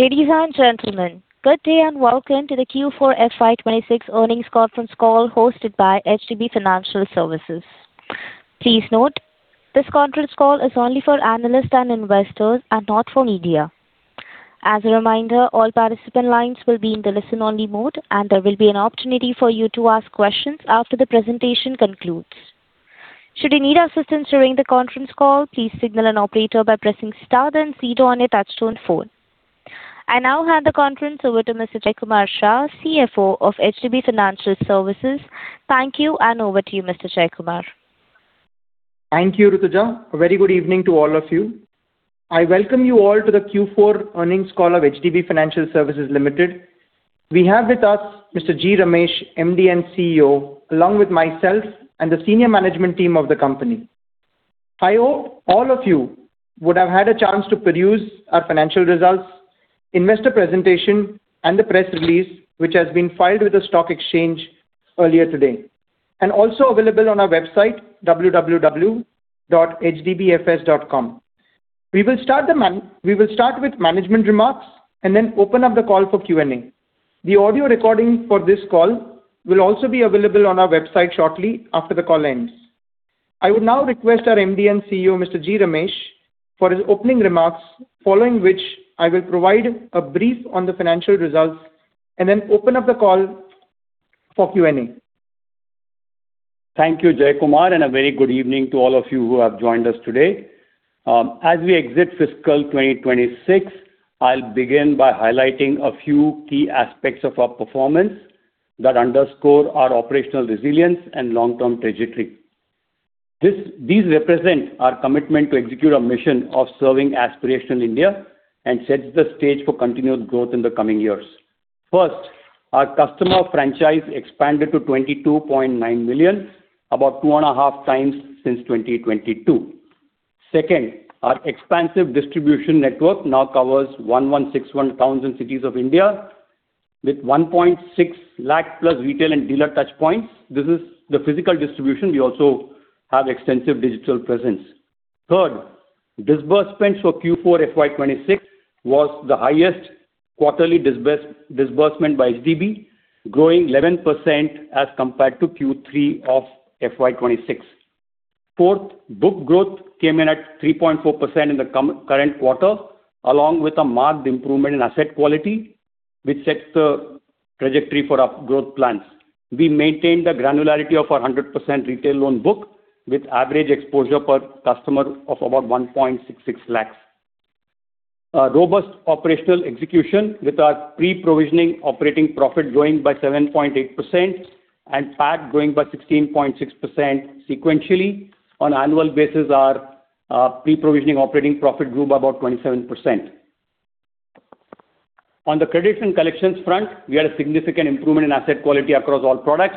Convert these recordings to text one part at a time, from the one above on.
Ladies and gentlemen, good day and welcome to the Q4 FY 2026 earnings conference call hosted by HDB Financial Services. Please note, this conference call is only for analysts and investors and not for media. As a reminder, all participant lines will be in the listen-only mode, and there will be an opportunity for you to ask questions after the presentation concludes. Should you need assistance during the conference call, please signal an operator by pressing star then zero on your touch-tone phone. I now hand the conference over to Mr. Jaykumar Shah, CFO of HDB Financial Services. Thank you, and over to you, Mr. Jaykumar. Thank you, Rutuja. A very good evening to all of you. I welcome you all to the Q4 earnings call of HDB Financial Services Limited. We have with us Mr. G. Ramesh, MD & CEO, along with myself and the Senior Management Team of the company. I hope all of you would have had a chance to peruse our financial results, investor presentation, and the press release, which has been filed with the stock exchange earlier today and also available on our website, www.hdbfs.com. We will start with management remarks and then open up the call for Q&A. The audio recording for this call will also be available on our website shortly after the call ends. I would now request our MD & CEO, Mr. G. Ramesh, for his opening remarks, following which I will provide a brief on the financial results and then open up the call for Q&A. Thank you, Jaykumar, and a very good evening to all of you who have joined us today. As we exit fiscal 2026, I'll begin by highlighting a few key aspects of our performance that underscore our operational resilience and long-term trajectory. These represent our commitment to execute our mission of serving aspirational India and set the stage for continued growth in the coming years. First, our customer franchise expanded to 22.9 million, about two and a half times since 2022. Second, our expansive distribution network now covers 1,161 towns and cities of India with 1.6 lakh+ retail and dealer touchpoints. This is the physical distribution. We also have extensive digital presence. Third, disbursements for Q4 FY 2026 was the highest quarterly disbursement by HDB, growing 11% as compared to Q3 of FY 2026. Fourth, book growth came in at 3.4% in the current quarter, along with a marked improvement in asset quality, which sets the trajectory for our growth plans. We maintained the granularity of our 100% retail loan book with average exposure per customer of about 1.66 lakhs, a robust operational execution with our pre-provisioning operating profit growing by 7.8% and PAT growing by 16.6% sequentially. On annual basis, our pre-provisioning operating profit grew by about 27%. On the credits and collections front, we had a significant improvement in asset quality across all products.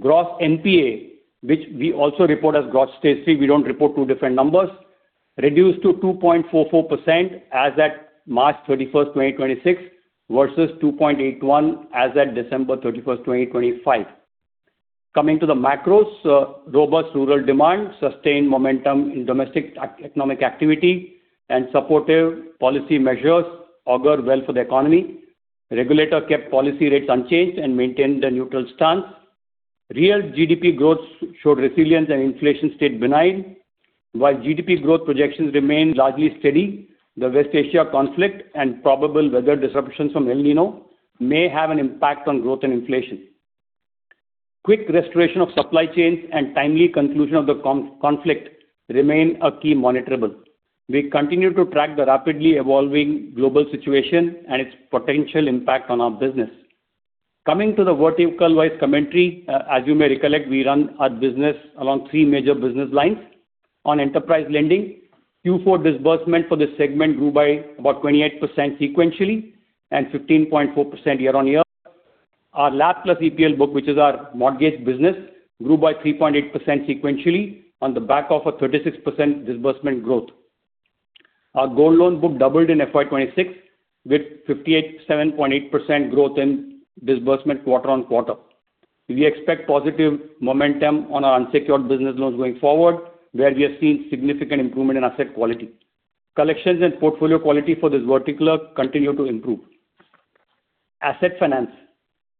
Gross NPA, which we also report as gross stage three, we don't report two different numbers, reduced to 2.44% as at March 31st, 2026, versus 2.81% as at December 31st, 2025. Coming to the macros, robust rural demand, sustained momentum in domestic economic activity, and supportive policy measures augur well for the economy. Regulator kept policy rates unchanged and maintained a neutral stance. Real GDP growth showed resilience and inflation stayed benign. While GDP growth projections remain largely steady, the West Asia conflict and probable weather disruptions from El Niño may have an impact on growth and inflation. Quick restoration of supply chains and timely conclusion of the conflict remain a key monitorable. We continue to track the rapidly evolving global situation and its potential impact on our business. Coming to the vertical-wise commentary, as you may recollect, we run our business along three major business lines. On Enterprise Lending, Q4 disbursement for this segment grew by about 28% sequentially and 15.4% year-on-year. Our LAP plus EBL book, which is our mortgage business, grew by 3.8% sequentially on the back of a 36% disbursement growth. Our gold loan book doubled in FY 2026 with 57.8% growth in disbursement quarter-on-quarter. We expect positive momentum on our unsecured business loans going forward, where we are seeing significant improvement in asset quality. Collections and portfolio quality for this vertical continue to improve. Asset Finance,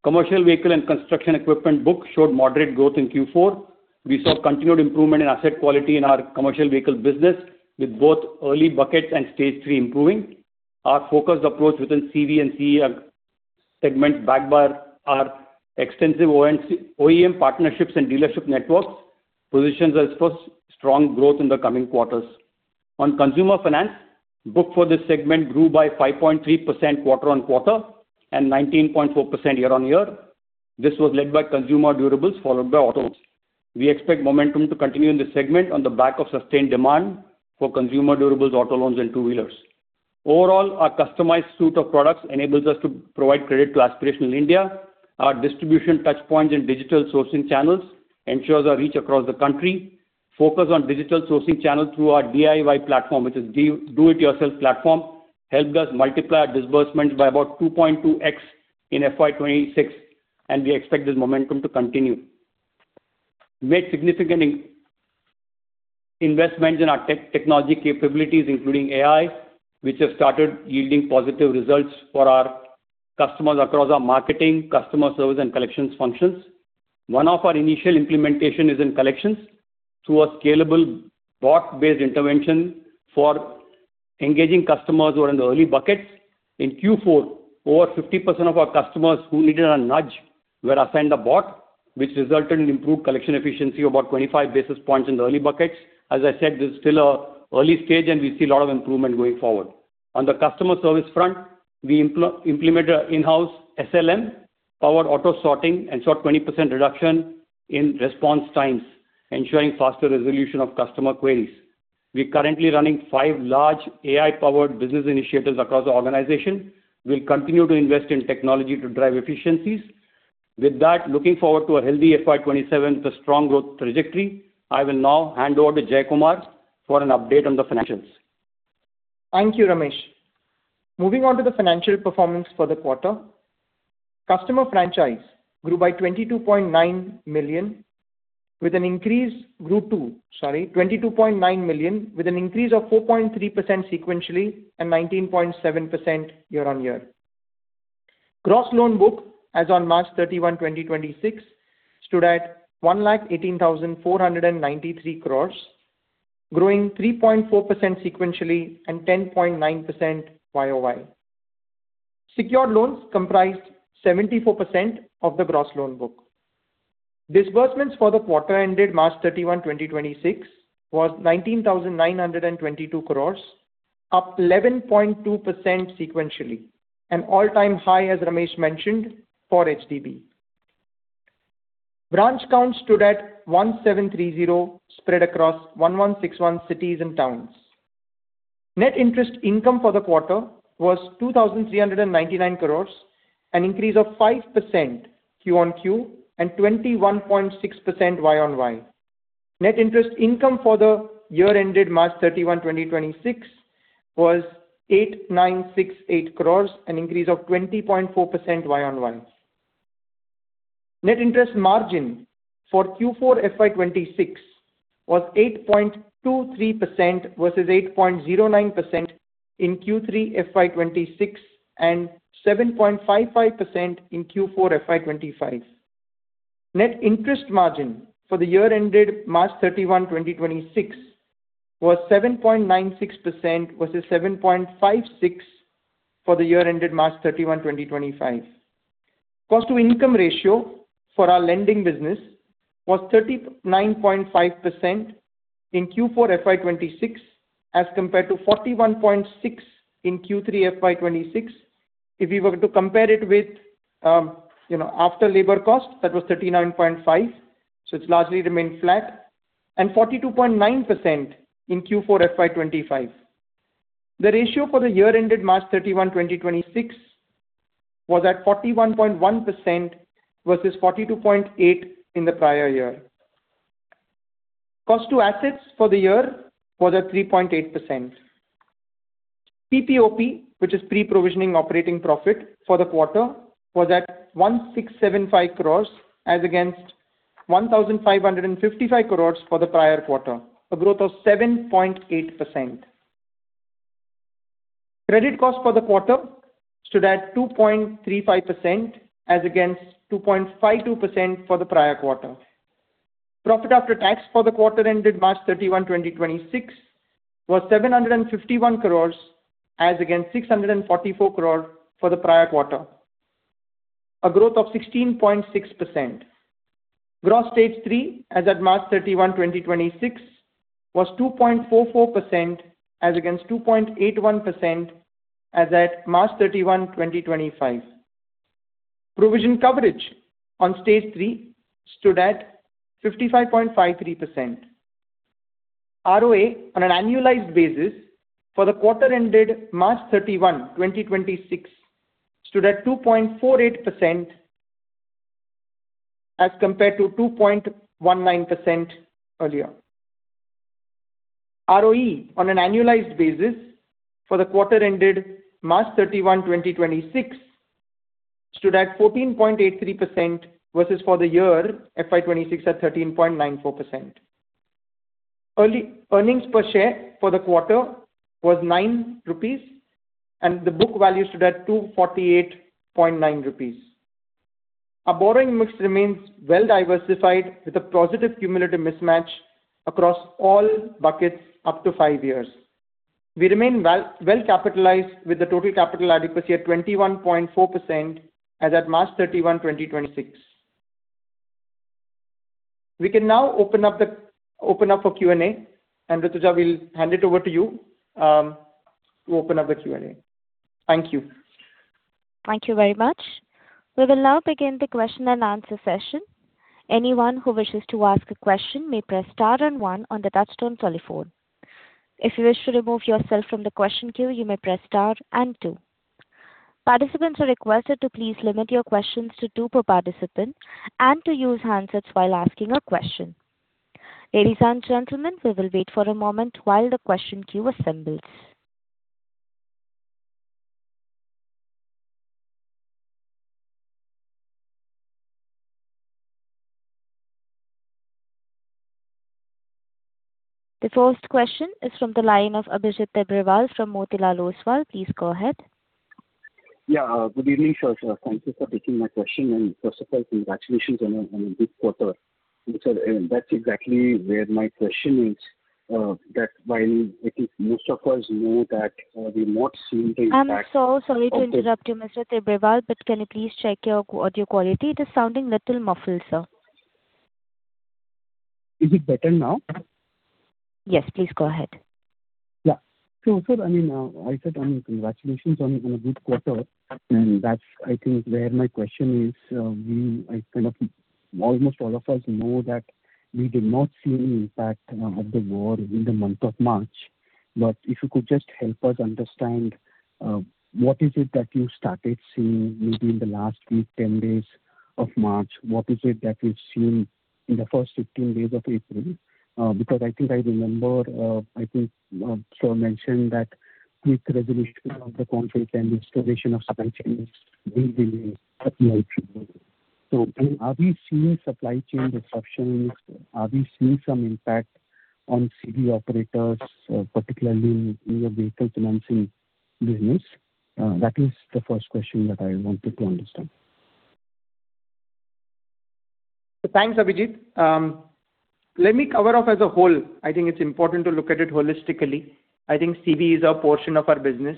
commercial vehicle and construction equipment book showed moderate growth in Q4. We saw continued improvement in asset quality in our commercial vehicle business with both early buckets and Stage three improving. Our focused approach within CV and CE segment, backed by our extensive OEM partnerships and dealership networks, positions us for strong growth in the coming quarters. On Consumer Finance, book for this segment grew by 5.3% quarter-on-quarter and 19.4% year-on-year. This was led by consumer durables, followed by auto loans. We expect momentum to continue in this segment on the back of sustained demand for consumer durables, auto loans, and two-wheelers. Overall, our customized suite of products enables us to provide credit to aspirational India. Our distribution touchpoints and digital sourcing channels ensures our reach across the country. Focus on digital sourcing channels through our DIY platform, which is do it yourself platform, helped us multiply our disbursements by about 2.2x in FY 2026, and we expect this momentum to continue. Made significant investments in our technology capabilities, including AI, which have started yielding positive results for our customers across our marketing, customer service, and collections functions. One of our initial implementation is in collections through a scalable bot-based intervention for engaging customers who are in the early buckets. In Q4, over 50% of our customers who needed a nudge were assigned a bot, which resulted in improved collection efficiency of about 25 basis points in the early buckets. As I said, this is still an early stage, and we see a lot of improvement going forward. On the customer service front, we implemented an in-house SLM-powered auto sorting and saw a 20% reduction in response times, ensuring faster resolution of customer queries. We are currently running five large AI-powered business initiatives across the organization. We'll continue to invest in technology to drive efficiencies. With that, looking forward to a healthy FY 2027 with a strong growth trajectory. I will now hand over to Jaykumar for an update on the financials. Thank you, Ramesh. Moving on to the financial performance for the quarter. Customer franchise grew 22.9 million, with an increase of 4.3% sequentially and 19.7% year-on-year. Gross loans book as on March 31, 2026, stood at 118,493 crore, growing 3.4% sequentially and 10.9% YOY. Secured loans comprised 74% of the gross loan book. Disbursement for the quarter ended March 31, 2026, was 19,922 crore, up 11.2% sequentially, an all-time high, as Ramesh mentioned, for HDB. Branch count stood at 1,730, spread across 1,161 cities and towns. Net Interest Income for the quarter was 2,399 crore, an increase of 5% QOQ and 21.6% YOY. Net Interest Income for the year ended March 31, 2026, was 8,968 crore, an increase of 20.4% YOY. Net Interest Margin for Q4 FY 2026 was 8.23% versus 8.09% in Q3 FY 2026 and 7.55% in Q4 FY 2025. Net interest margin for the year ended March 31, 2026, was 7.96% versus 7.56% for the year ended March 31, 2025. Cost to income ratio for our lending business was 39.5% in Q4 FY 2026 as compared to 41.6% in Q3 FY 2026. If we were to compare it with operating cost, that was 39.5%, so it's largely remained flat, and 42.9% in Q4 FY 2025. The ratio for the year ended March 31, 2026, was at 41.1% versus 42.8% in the prior year. Cost to assets for the year was at 3.8%. PPOP, which is pre-provisioning operating profit, for the quarter was at 1,675 crores as against 1,555 crores for the prior quarter, a growth of 7.8%. Credit cost for the quarter stood at 2.35% as against 2.52% for the prior quarter. Profit After Tax for the quarter ended March 31, 2026, was 751 crores as against 644 crore for the prior quarter, a growth of 16.6%. Gross Stage III as at March 31, 2026, was 2.44% as against 2.81% as at March 31, 2025. Provision Coverage on Stage III stood at 55.53%. ROA on an annualized basis for the quarter ended March 31, 2026, stood at 2.48% as compared to 2.19% earlier. ROE on an annualized basis for the quarter ended March 31, 2026, stood at 14.83% versus for the year FY 2026 at 13.94%. Earnings Per Share for the quarter was 9 rupees, and the Book Value stood at 248.9 rupees. Our borrowing mix remains well-diversified with a positive cumulative mismatch across all buckets up to five years. We remain well-capitalized with a Total Capital Adequacy of 21.4% as at March 31, 2026. We can now open up for Q&A. Rutuja will hand it over to you to open up the Q&A. Thank you. Thank you very much. We will now begin the question and answer session. Anyone who wishes to ask a question may press star and one on the touch-tone telephone. If you wish to remove yourself from the question queue, you may press star and two. Participants are requested to please limit your questions to two per participant and to use handsets while asking a question. Ladies and gentlemen, we will wait for a moment while the question queue assembles. The first question is from the line of Abhijit Tibrewal from Motilal Oswal Financial Services. Please go ahead. Yeah. Good evening, Sir. Thank you for taking my question, and first of all, congratulations on a good quarter. That's exactly where my question is, that while I think most of us know that we're not seeing the impact. I'm so sorry to interrupt you, Mr. Tibrewal, but can you please check your audio quality? It is sounding a little muffled, sir. Is it better now? Yes. Please go ahead. Yeah. I said congratulations on a good quarter, and that's, I think, where my question is. Almost all of us know that we did not see any impact of the war in the month of March. If you could just help us understand, what is it that you started seeing maybe in the last week, 10 days of March? What is it that you've seen in the first 15 days of April? I think I remember, I think, Sir mentioned that quick resolution of the conflict and restoration of supply chains will be a key monitorable. Are we seeing supply chain disruptions? Are we seeing some impact on CV operators, particularly in your vehicle financing business? That is the first question that I wanted to understand. Thanks, Abhijit. Let me cover off as a whole. I think it's important to look at it holistically. I think CV is a portion of our business.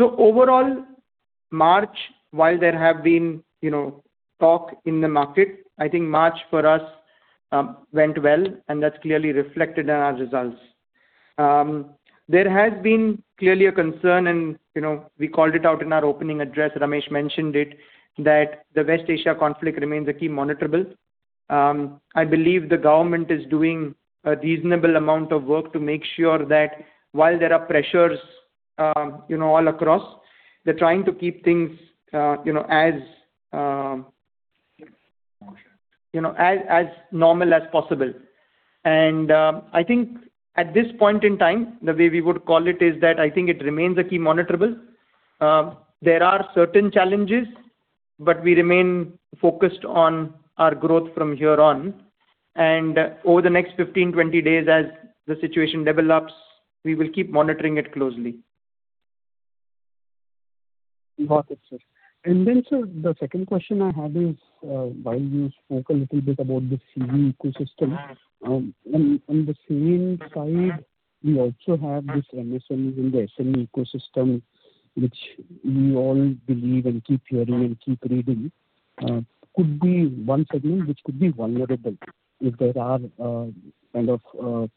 Overall, March, while there have been talk in the market, I think March for us went well, and that's clearly reflected in our results. There has been clearly a concern, and we called it out in our opening address, Ramesh mentioned it, that the West Asia conflict remains a key monitorable. I believe the government is doing a reasonable amount of work to make sure that while there are pressures all across, they're trying to keep things as normal as possible. I think at this point in time, the way we would call it is that I think it remains a key monitorable. There are certain challenges, but we remain focused on our growth from here on. Over the next 15 days-20 days as the situation develops, we will keep monitoring it closely. Got it, sir. Sir, the second question I have is, while you spoke a little bit about the CV ecosystem, on the same side, we also have this MSME and the SME ecosystem, which we all believe and keep hearing and keep reading could be one segment which could be vulnerable if there are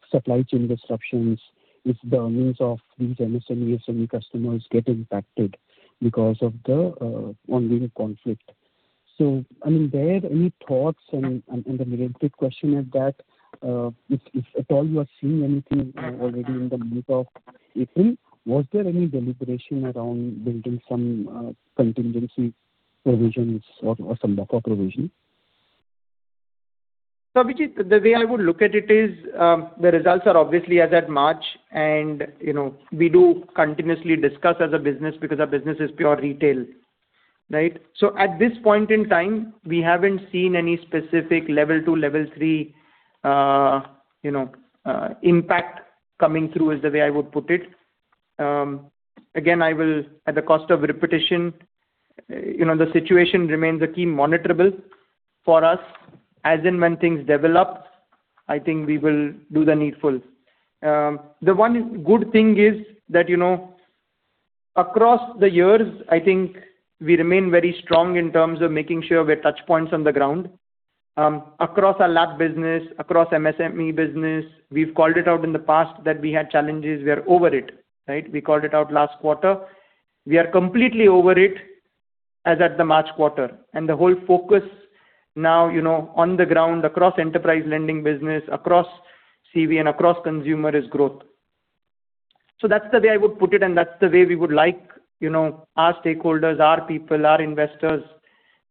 supply chain disruptions, if the earnings of these MSME, SME customers get impacted because of the ongoing conflict. There, any thoughts? The related question is that, if at all you are seeing anything already in the month of April, was there any deliberation around building some contingency provisions or some buffer provision? Abhijit, the way I would look at it is, the results are obviously as at March, and we do continuously discuss as a business because our business is pure retail. Right? At this point in time, we haven't seen any specific level two, level three impact coming through, is the way I would put it. Again, I will, at the cost of repetition, the situation remains a key monitorable for us, as and when things develop, I think we will do the needful. The one good thing is that, across the years, I think we remain very strong in terms of making sure we have touch points on the ground. Across our LAP business, across MSME business, we've called it out in the past that we had challenges. We are over it. Right? We called it out last quarter. We are completely over it as at the March quarter. The whole focus now on the ground, across Enterprise Lending business, across CV and across Consumer is growth. That's the way I would put it, and that's the way we would like our stakeholders, our people, our investors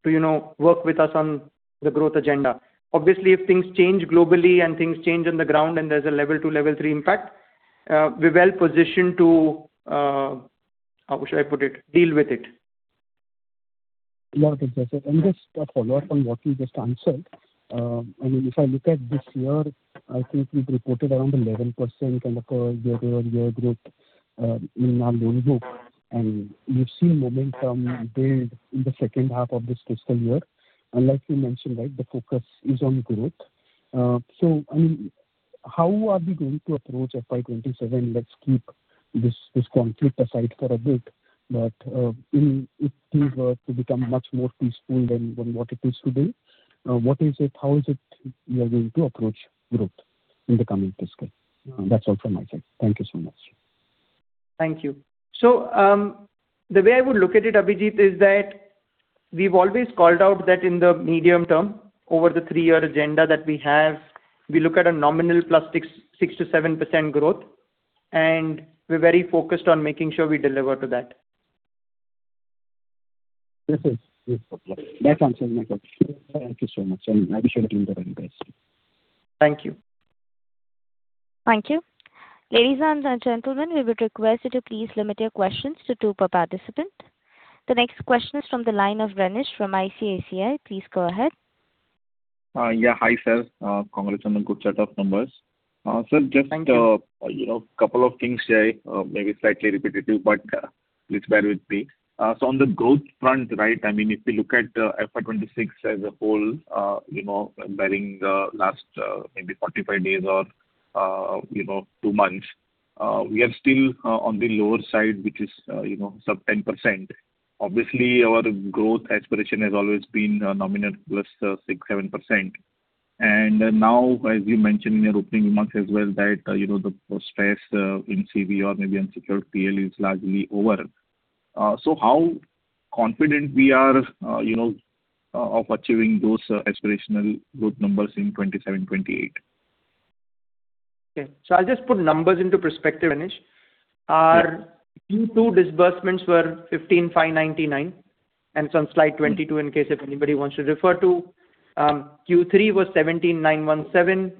to work with us on the growth agenda. Obviously, if things change globally and things change on the ground and there's a level 2, level 3 impact, we're well-positioned to, how should I put it? Deal with it. Got it, sir. Just a follow-up on what you just answered. If I look at this year, I think we've reported around 11% kind of a year-over-year growth in our loan book. We've seen momentum build in the second half of this fiscal year. Like you mentioned, the focus is on growth. How are we going to approach FY 2027? Let's keep this conflict aside for a bit. If things were to become much more peaceful than what it is today, how is it you are going to approach growth in the coming fiscal? That's all from my side. Thank you so much. Thank you. The way I would look at it, Abhijit, is that we've always called out that in the medium term, over the three-year agenda that we have, we look at a nominal plus 6%-7% growth, and we're very focused on making sure we deliver to that. Yes, sir. That answers my question. Thank you so much, and I wish you a good day, guys. Thank you. Thank you. Ladies and gentlemen, we would request you to please limit your questions to two per participant. The next question is from the line of Renesh from ICICI Securities. Please go ahead. Yeah. Hi, Sir. Congratulations on good set of numbers. Thank you. Sir, just a couple of things here, maybe slightly repetitive, but please bear with me. On the growth front, if you look at FY 2026 as a whole, barring the last maybe 45 days or two months, we are still on the lower side, which is sub 10%. Obviously, our growth aspiration has always been nominal plus 6%-7%. Now, as you mentioned in your opening remarks as well that the stress in CV or maybe unsecured PL is largely over. How confident we are of achieving those aspirational growth numbers in 2027-2028? Okay. I'll just put numbers into perspective, Renesh. Our Q2 disbursements were 15,599, and it's on Slide 22 in case if anybody wants to refer to. Q3 was 17,917.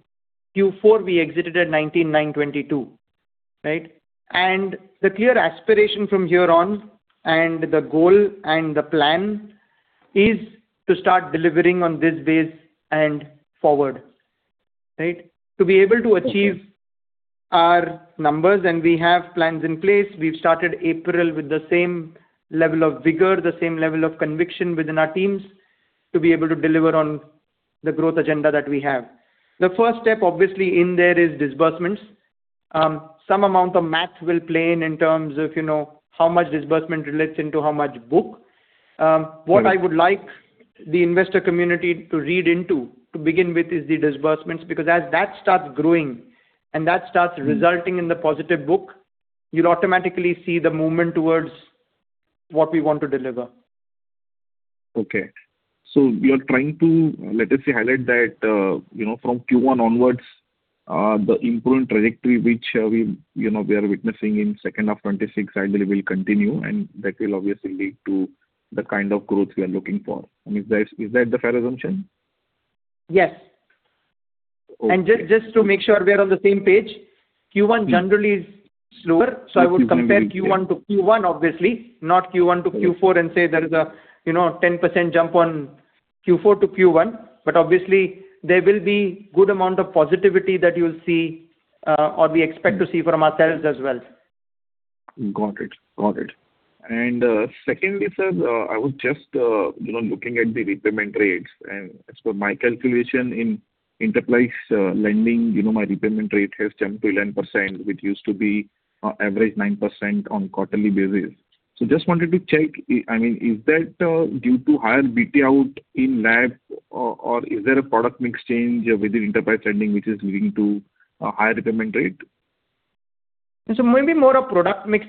Q4, we exited at 19,922. Right? The clear aspiration from here on and the goal and the plan is to start delivering on this base and forward. Right? To be able to achieve our numbers, and we have plans in place. We've started April with the same level of vigor, the same level of conviction within our teams to be able to deliver on the growth agenda that we have. The first step, obviously, in there is disbursements. Some amount of math will play in in terms of how much disbursement relates into how much book. What I would like the investor community to read into to begin with is the disbursements, because as that starts growing and that starts resulting in the positive book, you'll automatically see the movement towards what we want to deliver. Okay. We are trying to, let us say, highlight that from Q1 onwards, the improvement trajectory which we are witnessing in second half 2026 ideally will continue, and that will obviously lead to the kind of growth we are looking for. I mean, is that the fair assumption? Yes. Okay. Just to make sure we are on the same page, Q1 generally is slower. I would compare Q1 to Q1, obviously, not Q1 to Q4 and say there is a 10% jump on Q4 to Q1. Obviously there will be good amount of positivity that you'll see or we expect to see from ourselves as well. Got it. Secondly, sir, I was just looking at the repayment rates, and as per my calculation in Enterprise Lending, my repayment rate has jumped to 11%, which used to be average 9% on quarterly basis. Just wanted to check, is that due to higher BT out in LAP or is there a product mix change within Enterprise Lending which is leading to a higher repayment rate? Maybe more a product mix.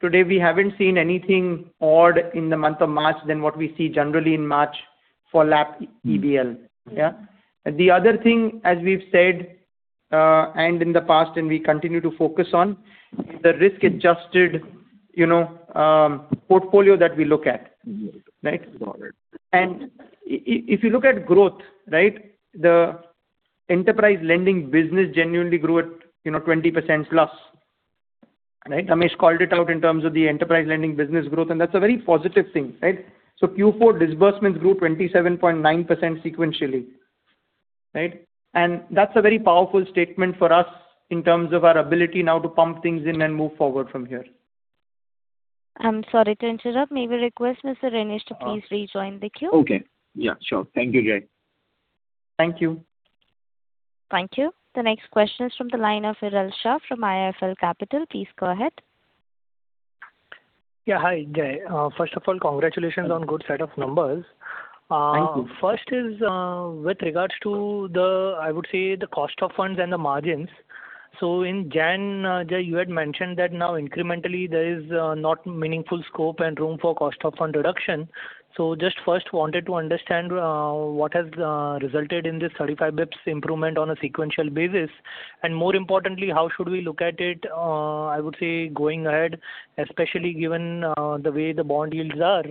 Today we haven't seen anything odd in the month of March than what we see generally in March for LAP, EBL. Yeah. The other thing, as we've said and in the past and we continue to focus on, the risk-adjusted portfolio that we look at. Right? Got it. If you look at growth, the Enterprise Lending business genuinely grew at 20%+. Right? Ramesh called it out in terms of the Enterprise Lending business growth, and that's a very positive thing. Right? Q4 disbursements grew 27.9% sequentially. Right? That's a very powerful statement for us in terms of our ability now to pump things in and move forward from here. I'm sorry to interrupt. May we request Mr. Renesh to please rejoin the queue? Okay. Yeah, sure. Thank you, Jaykumar. Thank you. Thank you. The next question is from the line of Viral Shah from IIFL Capital. Please go ahead. Yeah. Hi, Jaykumar. First of all, congratulations on good set of numbers. Thank you. First is with regards to, I would say, the cost of funds and the margins. In January, Jaykumar, you had mentioned that now incrementally there is not meaningful scope and room for cost of fund reduction. Just first wanted to understand what has resulted in this 35 basis points improvement on a sequential basis. More importantly, how should we look at it, I would say, going ahead, especially given the way the bond yields are.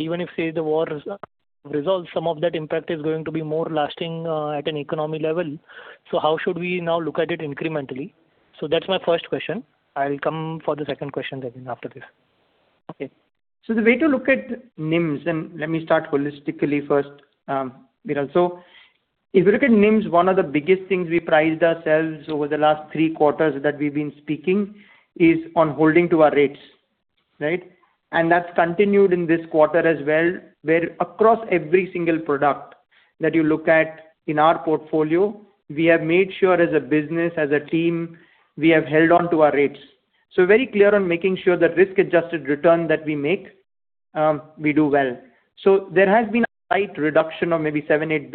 Even if, say, the war resolves, some of that impact is going to be more lasting at an economy level. How should we now look at it incrementally? That's my first question. I'll come for the second question again after this. Okay. The way to look at NIMs, and let me start holistically first. If you look at NIMs, one of the biggest things we prided ourselves over the last three quarters that we've been speaking is on holding to our rates, right? That's continued in this quarter as well, where across every single product that you look at in our portfolio, we have made sure as a business, as a team, we have held on to our rates. Very clear on making sure that risk-adjusted return that we make, we do well. There has been a slight reduction of maybe seven basis points-eight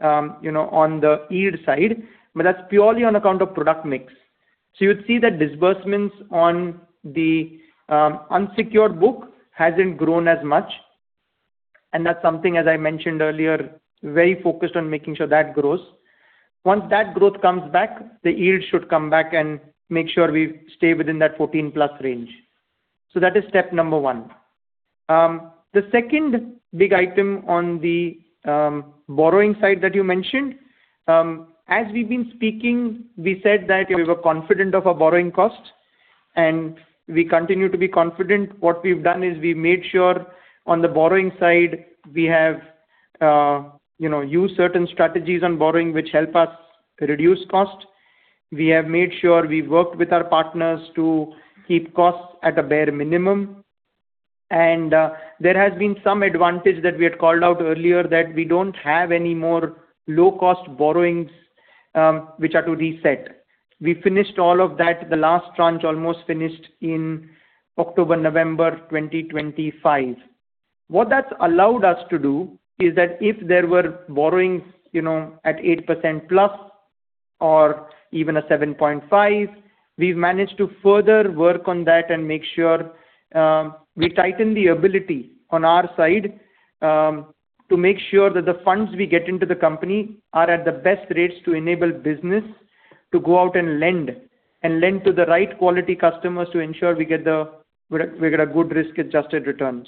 basis points on the yield side, but that's purely on account of product mix. You would see that disbursements on the unsecured book hasn't grown as much, and that's something, as I mentioned earlier, very focused on making sure that grows. Once that growth comes back, the yield should come back and make sure we stay within that 14%+ range. That is step number one. The second big item on the borrowing side that you mentioned, as we've been speaking, we said that we were confident of our borrowing costs, and we continue to be confident. What we've done is we made sure on the borrowing side, we have used certain strategies on borrowing, which help us reduce costs. We have made sure we've worked with our partners to keep costs at a bare minimum, and there has been some advantage that we had called out earlier that we don't have any more low-cost borrowings which are to reset. We finished all of that, the last tranche almost finished in October, November 2025. What that's allowed us to do is that if there were borrowings at 8%+ or even a 7.5%, we've managed to further work on that and make sure we tighten the ability on our side to make sure that the funds we get into the company are at the best rates to enable business to go out and lend to the right quality customers to ensure we get a good risk-adjusted return.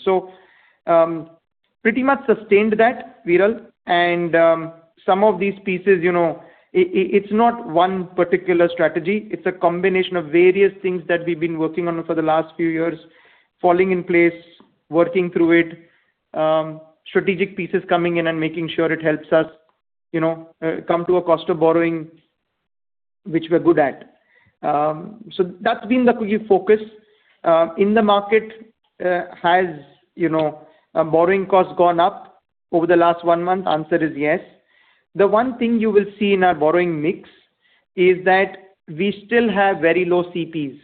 Pretty much sustained that, Viral, and some of these pieces, it's not one particular strategy. It's a combination of various things that we've been working on for the last few years, falling in place, working through it, strategic pieces coming in and making sure it helps us come to a cost of borrowing, which we're good at. That's been the key focus. In the market, has borrowing costs gone up over the last one month? The answer is yes. The one thing you will see in our borrowing mix is that we still have very low CPs,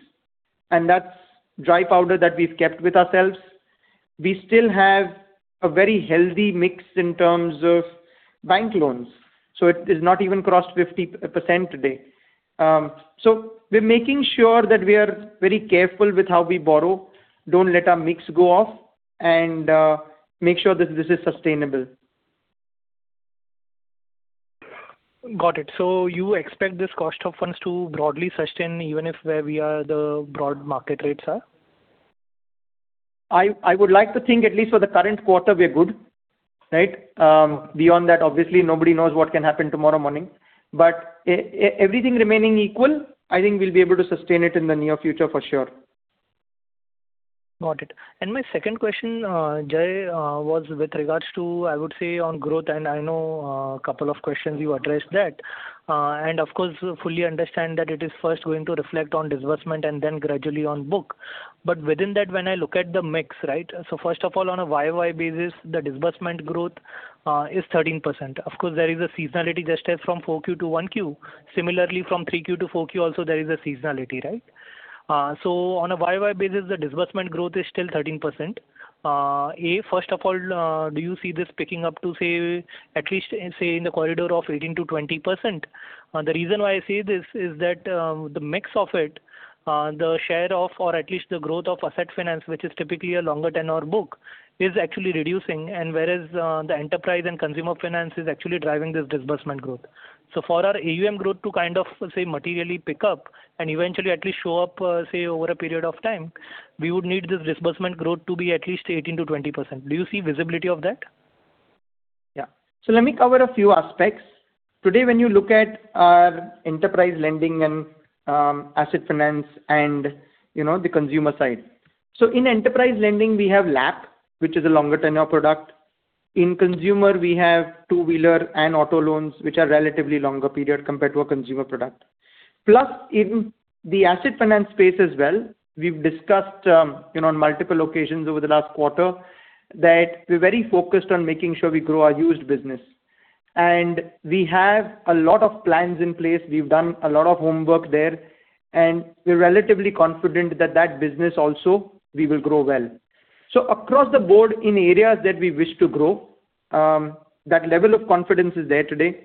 and that's dry powder that we've kept with ourselves. We still have a very healthy mix in terms of bank loans, so it is not even crossed 50% today. We're making sure that we are very careful with how we borrow, don't let our mix go off, and make sure that this is sustainable. Got it. You expect this cost of funds to broadly sustain even if where we are the broad market rates are? I would like to think at least for the current quarter we're good, right? Beyond that, obviously, nobody knows what can happen tomorrow morning. Everything remaining equal, I think we'll be able to sustain it in the near future for sure. Got it. My second question, Jaykumar, was with regards to, I would say, on growth, and I know a couple of questions you addressed that. Of course, I fully understand that it is first going to reflect on disbursement and then gradually on book. Within that, when I look at the mix, right? First of all, on a year-over-year basis, the disbursement growth is 13%. Of course, there is a seasonality just as from 4Q to 1Q. Similarly, from 3Q to 4Q also there is a seasonality, right? On a year-over-year basis, the disbursement growth is still 13%. A, first of all, do you see this picking up to, say, at least in the corridor of 18%-20%? The reason why I say this is that the mix of it, the share of or at least the growth of Asset Finance, which is typically a longer tenured book, is actually reducing, and whereas the Enterprise and Consumer Finance is actually driving this disbursement growth. For our AUM growth to kind of say materially pick up and eventually at least show up, say, over a period of time, we would need this disbursement growth to be at least 18%-20%. Do you see visibility of that? Yeah. Let me cover a few aspects. Today, when you look at our Enterprise Lending and Asset Finance and the consumer side, in Enterprise Lending, we have LAP, which is a longer tenure product. In consumer, we have two-wheeler and auto loans, which are relatively longer period compared to a consumer product. Plus, in the Asset Finance space as well, we've discussed on multiple occasions over the last quarter that we're very focused on making sure we grow our used business. We have a lot of plans in place. We've done a lot of homework there, and we're relatively confident that that business also we will grow well. Across the board in areas that we wish to grow, that level of confidence is there today.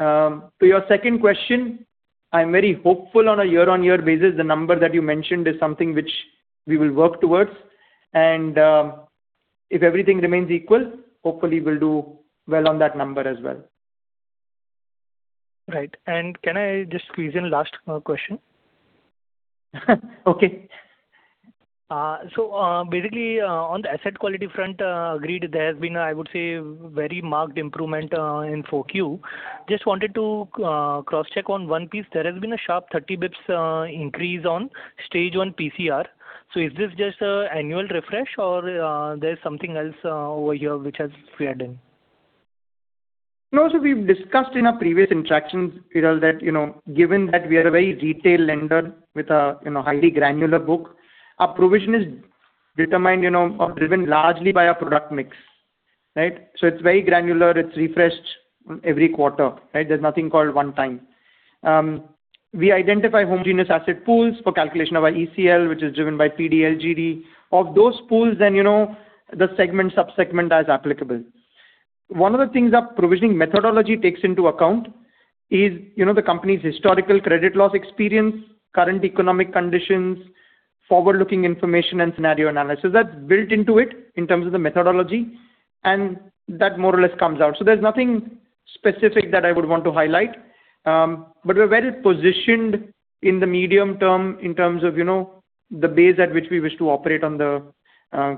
To your second question, I'm very hopeful on a year-on-year basis. The number that you mentioned is something which we will work towards, and if everything remains equal, hopefully we'll do well on that number as well. Right. Can I just squeeze in last question? Okay. Basically, on the asset quality front, agreed, there has been, I would say, very marked improvement in Q4. I just wanted to cross-check on one piece. There has been a sharp 30 basis points increase on Stage one PCR. Is this just annual refresh or there's something else over here which has fed in? No. We've discussed in our previous interactions, Viral, that given that we are a very retail lender with a highly granular book, our provision is determined or driven largely by our product mix, right? It's very granular. It's refreshed every quarter, right? There's nothing called one time. We identify homogeneous asset pools for calculation of our ECL, which is driven by PD, LGD of those pools then, the segment, sub-segment as applicable. One of the things our provisioning methodology takes into account is the company's historical credit loss experience, current economic conditions, forward-looking information, and scenario analysis. That's built into it in terms of the methodology, and that more or less comes out. There's nothing specific that I would want to highlight. We're well-positioned in the medium term in terms of the base at which we wish to operate on the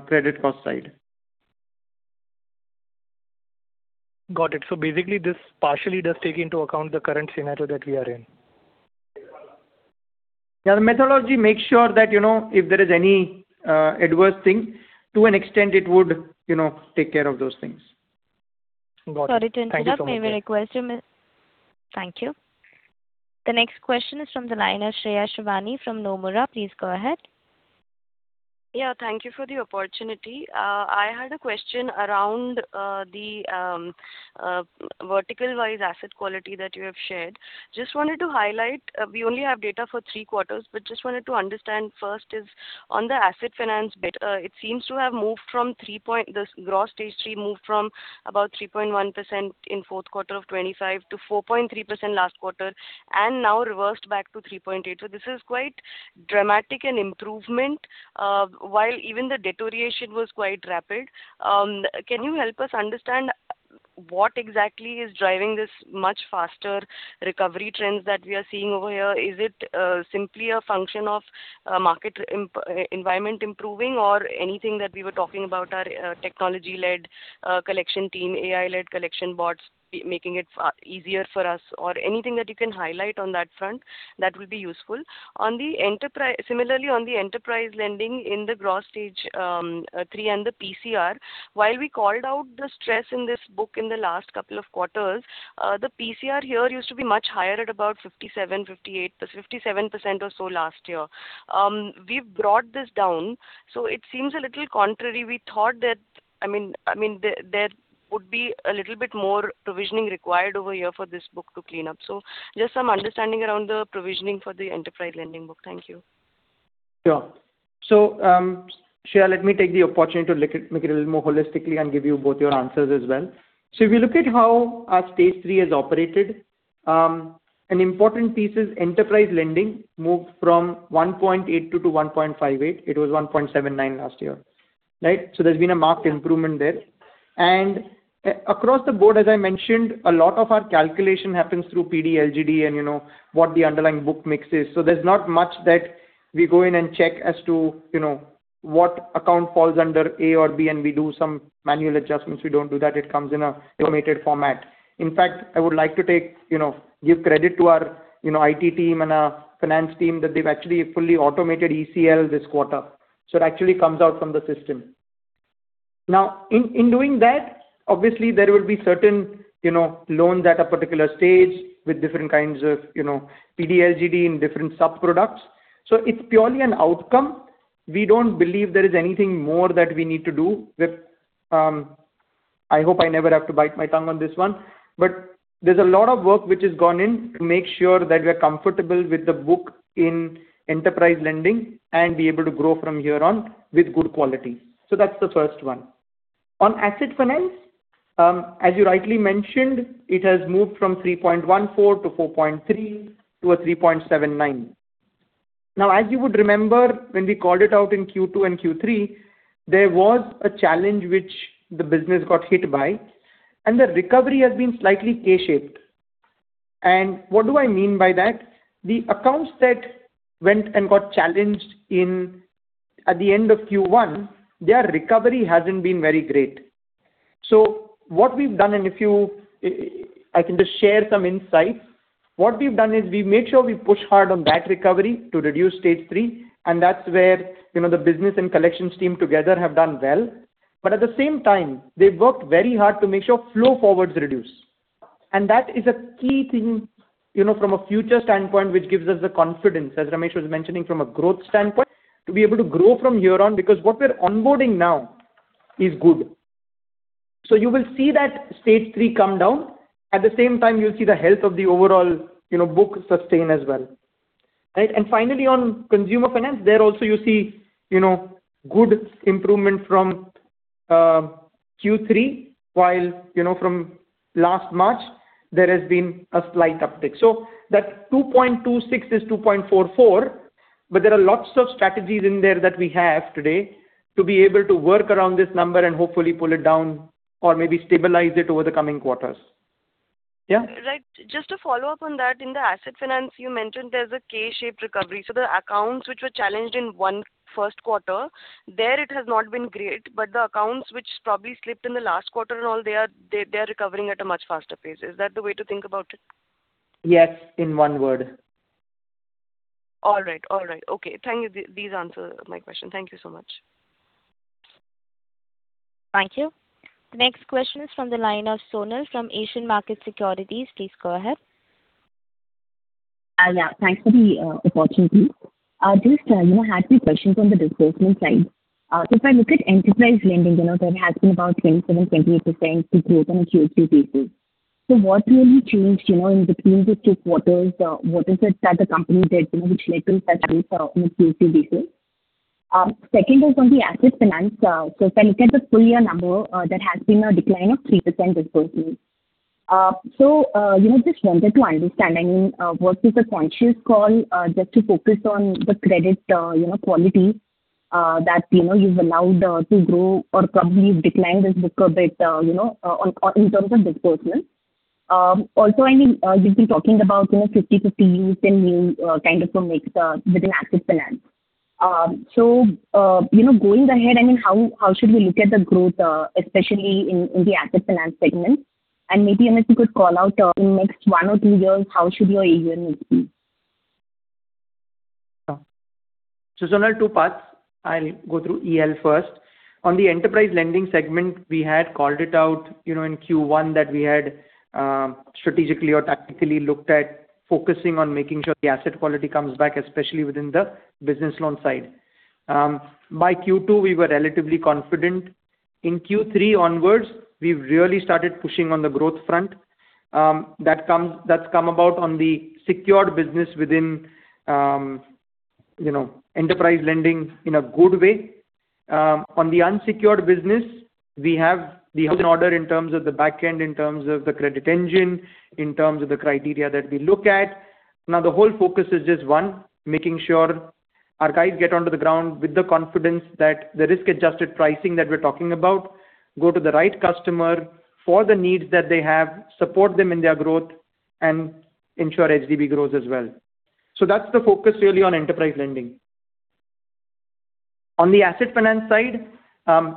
credit cost side. Got it. Basically, this partially does take into account the current scenario that we are in. Yeah. The methodology makes sure that, if there is any adverse thing, to an extent, it would take care of those things. Got it. Thank you so much. Sorry to interrupt. Thank you. The next question is from the line of Shreya Shivani from Nomura. Please go ahead. Yeah. Thank you for the opportunity. I had a question around the vertical-wise asset quality that you have shared. Just wanted to highlight, we only have data for three quarters, but just wanted to understand. First is on the Asset Finance bit, the Gross Stage three moved from about 3.1% in fourth quarter of 2025 to 4.3% last quarter and now reversed back to 3.8%. This is quite dramatic an improvement, while even the deterioration was quite rapid. Can you help us understand what exactly is driving this much faster recovery trends that we are seeing over here? Is it simply a function of market environment improving or anything that we were talking about our technology-led collection team, AI-led collection bots making it easier for us, or anything that you can highlight on that front? That will be useful. Similarly, on the Enterprise Lending in the Gross Stage three and the PCR, while we called out the stress in this book in the last couple of quarters, the PCR here used to be much higher at about 57%-58% or so last year. We've brought this down, so it seems a little contrary. We thought that there would be a little bit more provisioning required over here for this book to clean up. Just some understanding around the provisioning for the Enterprise Lending book. Thank you. Sure. Shreya, let me take the opportunity to look at it a little more holistically and give you both your answers as well. If you look at how our Stage three has operated, an important piece is Enterprise Lending moved from 1.82%-1.58%. It was 1.79% last year. There's been a marked improvement there. Across the board, as I mentioned, a lot of our calculation happens through PD, LGD and what the underlying book mix is. There's not much that we go in and check as to what account falls under A or B, and we do some manual adjustments. We don't do that. It comes in an automated format. In fact, I would like to give credit to our IT team and our finance team that they've actually fully automated ECL this quarter. It actually comes out from the system. Now, in doing that, obviously there will be certain loans at a particular stage with different kinds of PD, LGD in different sub-products. It's purely an outcome. We don't believe there is anything more that we need to do. I hope I never have to bite my tongue on this one. There's a lot of work which has gone in to make sure that we are comfortable with the book in Enterprise Lending and be able to grow from here on with good quality. That's the first one. On Asset Finance, as you rightly mentioned, it has moved from 3.14% to 4.3% to a 3.79%. Now, as you would remember when we called it out in Q2 and Q3, there was a challenge which the business got hit by, and the recovery has been slightly K-shaped. What do I mean by that? The accounts that went and got challenged at the end of Q1, their recovery hasn't been very great. What we've done, and I can just share some insights, is we made sure we push hard on that recovery to reduce Stage three, and that's where the business and collections team together have done well. At the same time, they've worked very hard to make sure flow-forwards reduce. That is a key thing, from a future standpoint, which gives us the confidence, as Ramesh was mentioning from a growth standpoint, to be able to grow from here on, because what we're onboarding now is good. You will see that stage three come down. At the same time, you'll see the health of the overall book sustain as well. Finally, on Consumer Finance, there also you see good improvement from Q3, while from last March, there has been a slight uptick. That 2.26% is 2.44%, but there are lots of strategies in there that we have today to be able to work around this number and hopefully pull it down or maybe stabilize it over the coming quarters. Yeah? Right. Just to follow up on that, in the Asset Finance, you mentioned there's a K-shaped recovery. The accounts which were challenged in first quarter, there it has not been great, but the accounts which probably slipped in the last quarter and all, they are recovering at a much faster pace. Is that the way to think about it? Yes, in one word. All right. Okay. Thank you. These answer my question. Thank you so much. Thank you. The next question is from the line of Sonal Gandhi from Asian Markets Securities. Please go ahead. Yeah. Thanks for the opportunity. Just I had two questions on the disbursement side. If I look at Enterprise Lending, there has been about 27%-28% growth on a QOQ basis. What really changed in between the two quarters? What is it that the company did which led to such rates on a QOQ basis? Second was on the Asset Finance. If I look at the full-year number, there has been a decline of 3% disbursement. I just wanted to understand, was it a conscious call just to focus on the credit quality that you've allowed to grow or probably declined this book a bit in terms of disbursement? Also, you've been talking about 50/50 used and new kind of a mix within Asset Finance. Going ahead, how should we look at the growth, especially in the Asset Finance segment? Maybe, Ramesh, you could call out in next one or two years, how should your AUM mix be? Sure. Sonal, two parts. I'll go through EL first. On the Enterprise Lending segment, we had called it out in Q1 that we had strategically or tactically looked at focusing on making sure the asset quality comes back, especially within the business loan side. By Q2, we were relatively confident. In Q3 onwards, we've really started pushing on the growth front. That's come about on the secured business within Enterprise Lending in a good way. On the unsecured business, we have the house in order in terms of the back end, in terms of the credit engine, in terms of the criteria that we look at. Now, the whole focus is just, one, making sure our guys get onto the ground with the confidence that the risk-adjusted pricing that we're talking about go to the right customer for the needs that they have, support them in their growth, and ensure HDB grows as well. That's the focus really on Enterprise Lending. On the Asset Finance side,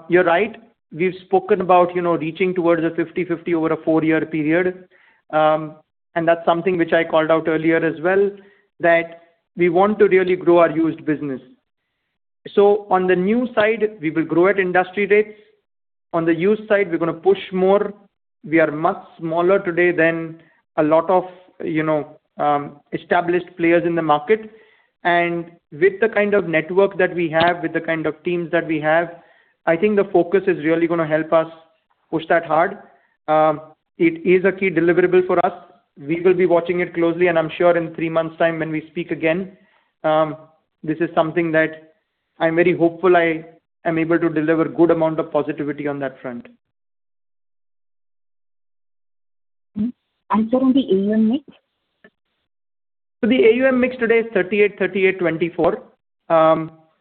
you're right. We've spoken about reaching towards a 50/50 over a four-year period. That's something which I called out earlier as well, that we want to really grow our used business. On the new side, we will grow at industry rates. On the used side, we're going to push more. We are much smaller today than a lot of established players in the market. With the kind of network that we have, with the kind of teams that we have, I think the focus is really going to help us push that hard. It is a key deliverable for us. We will be watching it closely, and I'm sure in three months' time when we speak again, this is something that I'm very hopeful I am able to deliver good amount of positivity on that front. Sir, on the AUM mix? The AUM mix today is 38/38/24.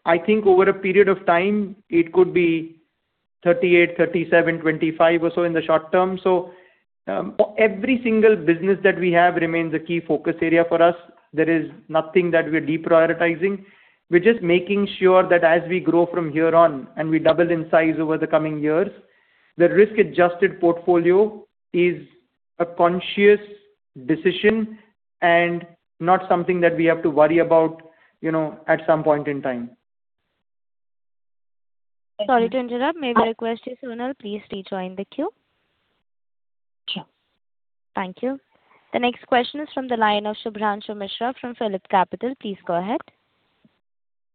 I think over a period of time it could be 38/37/25 or so in the short term. Every single business that we have remains a key focus area for us. There is nothing that we're deprioritizing. We're just making sure that as we grow from here on, and we double in size over the coming years, the risk-adjusted portfolio is a conscious decision and not something that we have to worry about at some point in time. Sorry to interrupt. May I request you, Sonal, please rejoin the queue? Sure. Thank you. The next question is from the line of Shubhranshu Mishra from PhillipCapital. Please go ahead.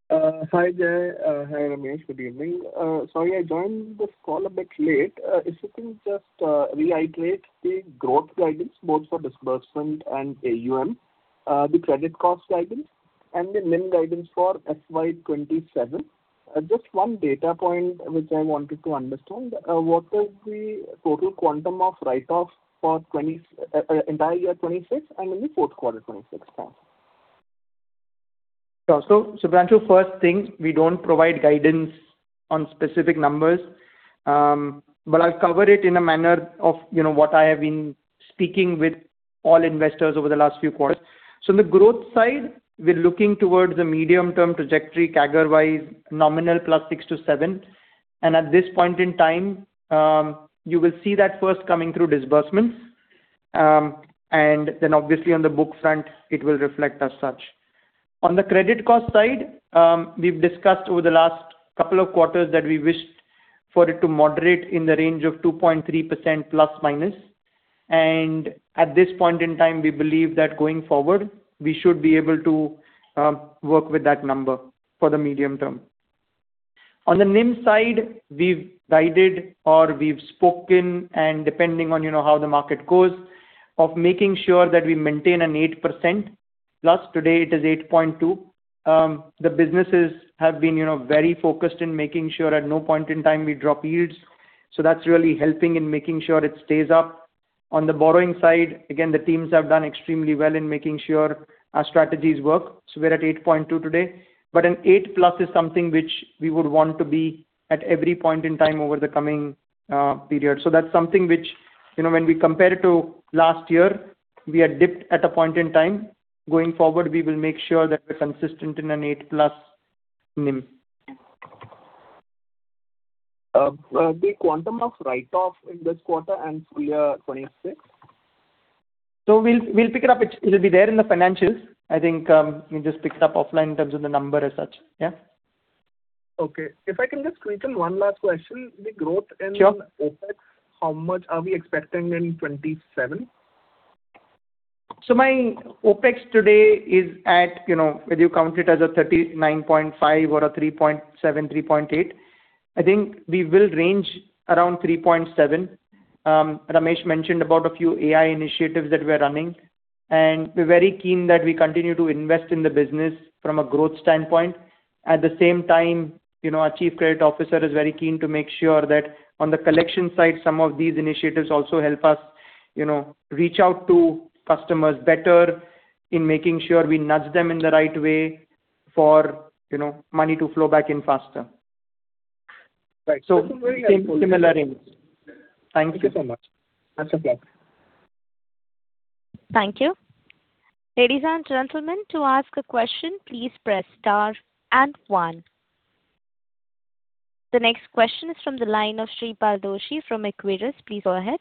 Hi there. Hi, Ramesh. Good evening. Sorry, I joined this call a bit late. If you can just reiterate the growth guidance both for disbursement and AUM, the credit cost guidance and the NIM guidance for FY 2027. Just one data point which I wanted to understand. What was the total quantum of write-offs for entire year 2026 and in the fourth quarter 2026, sir? Sure. Shubhranshu, first thing, we don't provide guidance on specific numbers, but I'll cover it in a manner of what I have been speaking with all investors over the last few quarters. In the growth side, we're looking towards a medium-term trajectory CAGR-wise nominal plus 6%-7%. At this point in time, you will see that first coming through disbursements. Obviously on the book front, it will reflect as such. On the credit cost side, we've discussed over the last couple of quarters that we wish for it to moderate in the range of 2.3% plus minus. At this point in time, we believe that going forward, we should be able to work with that number for the medium term. On the NIM side, we've guided or we've spoken and depending on how the market goes, of making sure that we maintain an 8%+. Today it is 8.2%. The businesses have been very focused in making sure at no point in time we drop yields. That's really helping in making sure it stays up. On the borrowing side, again, the teams have done extremely well in making sure our strategies work. We're at 8.2% today. An 8%+ is something which we would want to be at every point in time over the coming period. That's something which, when we compare it to last year, we had dipped at a point in time. Going forward, we will make sure that we're consistent in an 8%+ NIM. The quantum of write-off in this quarter and full year 2026? We'll pick it up. It'll be there in the financials. I think you just pick it up offline in terms of the number as such. Yeah. Okay. If I can just squeeze in one last question. Sure. The growth in OpEx, how much are we expecting in 2027? My OpEx today is at, whether you count it as a 39.5% or a 3.7%-3.8%, I think we will range around 3.7%. Ramesh mentioned about a few AI initiatives that we are running, and we're very keen that we continue to invest in the business from a growth standpoint. At the same time, our Chief Credit Officer is very keen to make sure that on the collection side, some of these initiatives also help us, you know, reach out to customers better in making sure we nudge them in the right way for money to flow back in faster. Right. That's very helpful. Similar AUM. Thank you. Thank you so much. Good luck. Thank you. Ladies and gentlemen, to ask a question, please press star and one. The next question is from the line of Shreepal Doshi from Equirus. Please go ahead.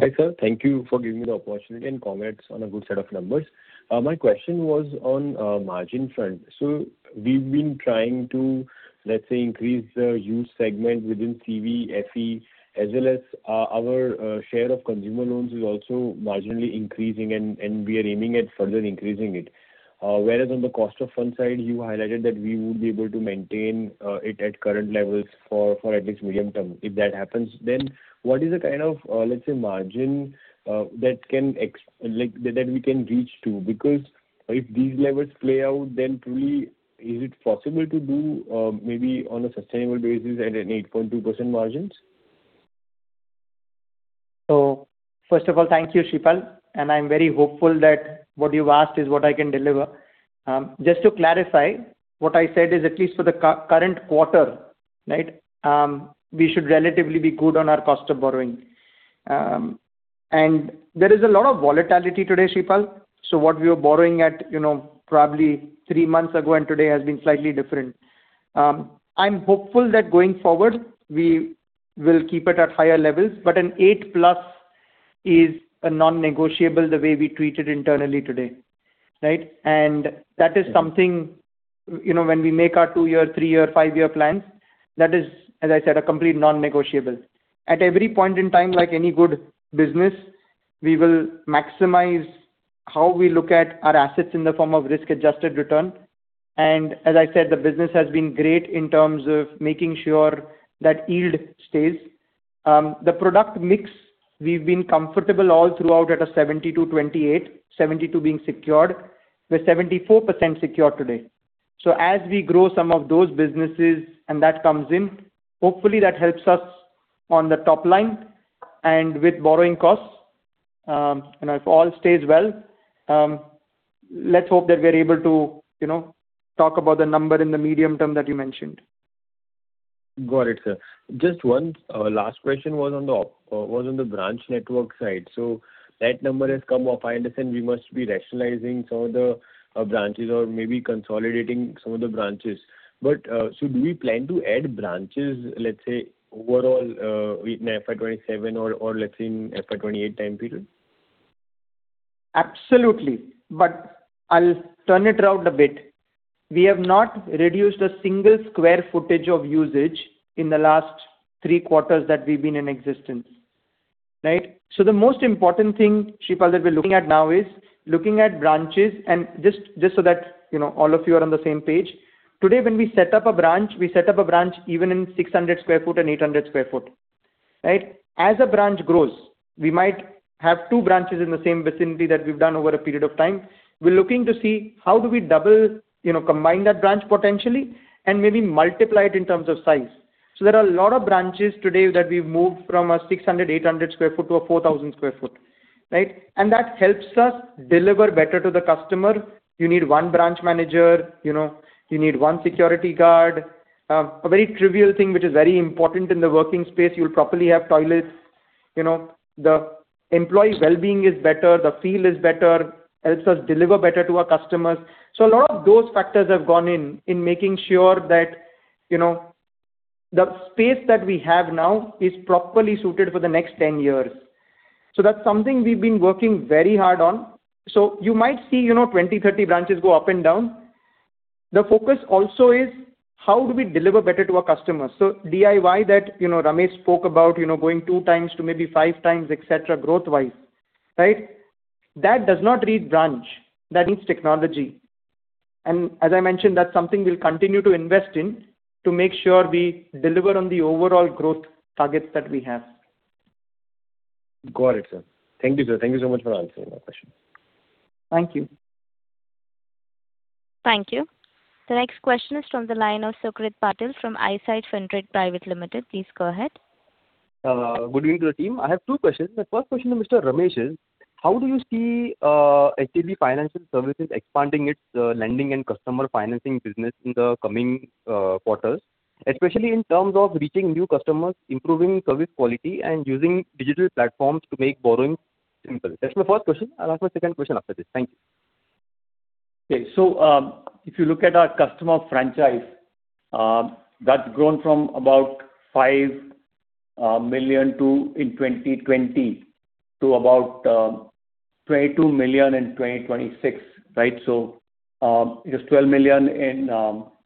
Hi, sir. Thank you for giving me the opportunity and comments on a good set of numbers. My question was on margin front. We've been trying to, let's say, increase the used segment within CV, CE, as well as our share of consumer loans is also marginally increasing, and we are aiming at further increasing it. Whereas on the cost of fund side, you highlighted that we would be able to maintain it at current levels for at least medium-term. If that happens, then what is the kind of, let's say, margin that we can reach to? If these levels play out, then truly, is it possible to do maybe on a sustainable basis at an 8.2% margins? First of all, thank you, Shreepal, and I'm very hopeful that what you've asked is what I can deliver. Just to clarify, what I said is at least for the current quarter. We should relatively be good on our cost of borrowing. There is a lot of volatility today, Shreepal. What we were borrowing at probably three months ago and today has been slightly different. I'm hopeful that going forward, we will keep it at higher levels, but an 8%+ is a non-negotiable the way we treat it internally today. Right? That is something when we make our two-year, three-year, five-year plans, that is, as I said, a complete non-negotiable. At every point in time, like any good business, we will maximize how we look at our assets in the form of risk-adjusted return. As I said, the business has been great in terms of making sure that yield stays. The product mix, we've been comfortable all throughout at a 72/28. 72% being secured. We are 74% secured today. As we grow some of those businesses, and that comes in, hopefully that helps us on the top line and with borrowing costs. If all stays well, let's hope that we're able to talk about the number in the medium term that you mentioned. Got it, sir. Just one last question was on the branch network side. That number has come up. I understand we must be rationalizing some of the branches or maybe consolidating some of the branches. Should we plan to add branches, let's say, overall in FY 2027 or, let's say, in FY 2028 time period? Absolutely. I'll turn it around a bit. We have not reduced a single square footage of usage in the last three quarters that we've been in existence. The most important thing, Shreepal, that we're looking at now is looking at branches and just so that all of you are on the same page. Today, when we set up a branch, we set up a branch even in 600 sq ft and 800 sq ft. As a branch grows, we might have two branches in the same vicinity that we've done over a period of time. We're looking to see how do we double, combine that branch potentially, and maybe multiply it in terms of size. There are a lot of branches today that we've moved from a 600 sq ft-800 sq ft to a 4,000 sq ft. That helps us deliver better to the customer. You need one branch manager, you need one security guard. A very trivial thing which is very important in the working space, you'll properly have toilets. The employee well-being is better, the feel is better, it helps us deliver better to our customers. A lot of those factors have gone in making sure that the space that we have now is properly suited for the next 10 years. That's something we've been working very hard on. You might see 20-30 branches go up and down. The focus also is how do we deliver better to our customers. DIY that Ramesh spoke about going two times to maybe five times, et cetera, growth-wise, that does not read branch, that reads technology. As I mentioned, that's something we'll continue to invest in to make sure we deliver on the overall growth targets that we have. Got it, sir. Thank you, sir. Thank you so much for answering my question. Thank you. Thank you. The next question is from the line of Sukrit Patil from i-SID Centric Private Limited. Please go ahead. Good evening to the team. I have two questions. The first question to Mr. Ramesh is, how do you see HDB Financial Services expanding its lending and customer financing business in the coming quarters, especially in terms of reaching new customers, improving service quality, and using digital platforms to make borrowing simple? That's my first question. I'll ask my second question after this. Thank you. If you look at our customer franchise, that's grown from about five million in 2020 to about 22 million in 2026. It was 12 million in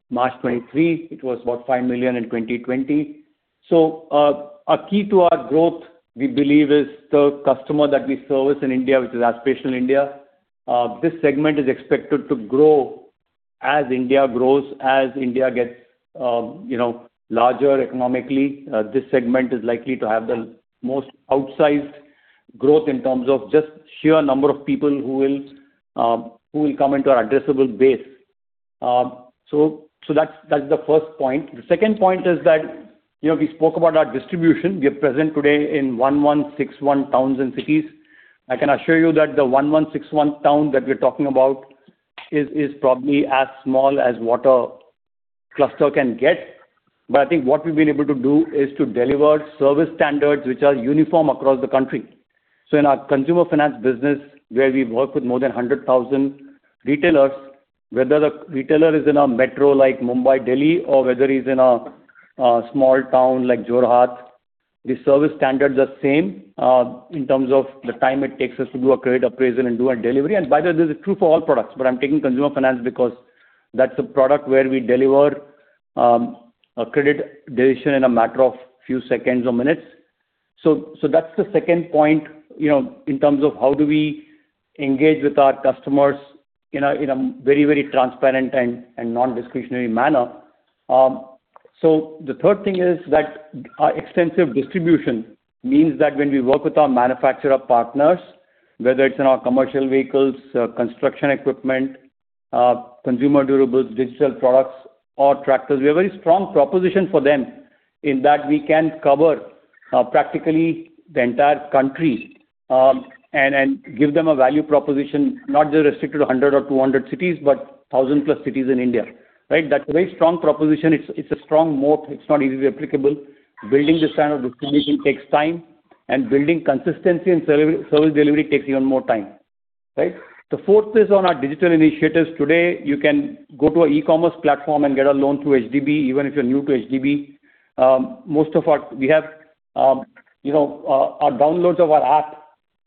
March 2023. It was about five million in 2020. A key to our growth, we believe is the customer that we service in India, which is Aspirational India. This segment is expected to grow as India grows, as India gets larger economically. This segment is likely to have the most outsized growth in terms of just sheer number of people who will come into our addressable base. That's the first point. The second point is that we spoke about our distribution. We are present today in 1,161 towns and cities. I can assure you that the 1,161 town that we're talking about is probably as small as what a cluster can get. I think what we've been able to do is to deliver service standards which are uniform across the country. In our Consumer Finance business, where we work with more than 100,000 retailers, whether the retailer is in a metro like Mumbai, Delhi, or whether he's in a small town like Jorhat, the service standards are same in terms of the time it takes us to do a credit appraisal and do a delivery. By the way, this is true for all products, but I'm taking Consumer Finance because that's a product where we deliver a credit decision in a matter of few seconds or minutes. That's the second point, in terms of how do we engage with our customers in a very transparent and non-discretionary manner. The third thing is that our extensive distribution means that when we work with our manufacturer partners, whether it's in our commercial vehicles, construction equipment, consumer durables, digital products or tractors, we have very strong proposition for them in that we can cover practically the entire country, and give them a value proposition not just restricted to 100 or 200 cities, but 1,000+ cities in India, right? That's a very strong proposition. It's a strong moat. It's not easily applicable. Building this kind of distribution takes time, and building consistency in service delivery takes even more time. Right? The fourth is on our digital initiatives. Today, you can go to our e-commerce platform and get a loan through HDB, even if you're new to HDB. Our downloads of our app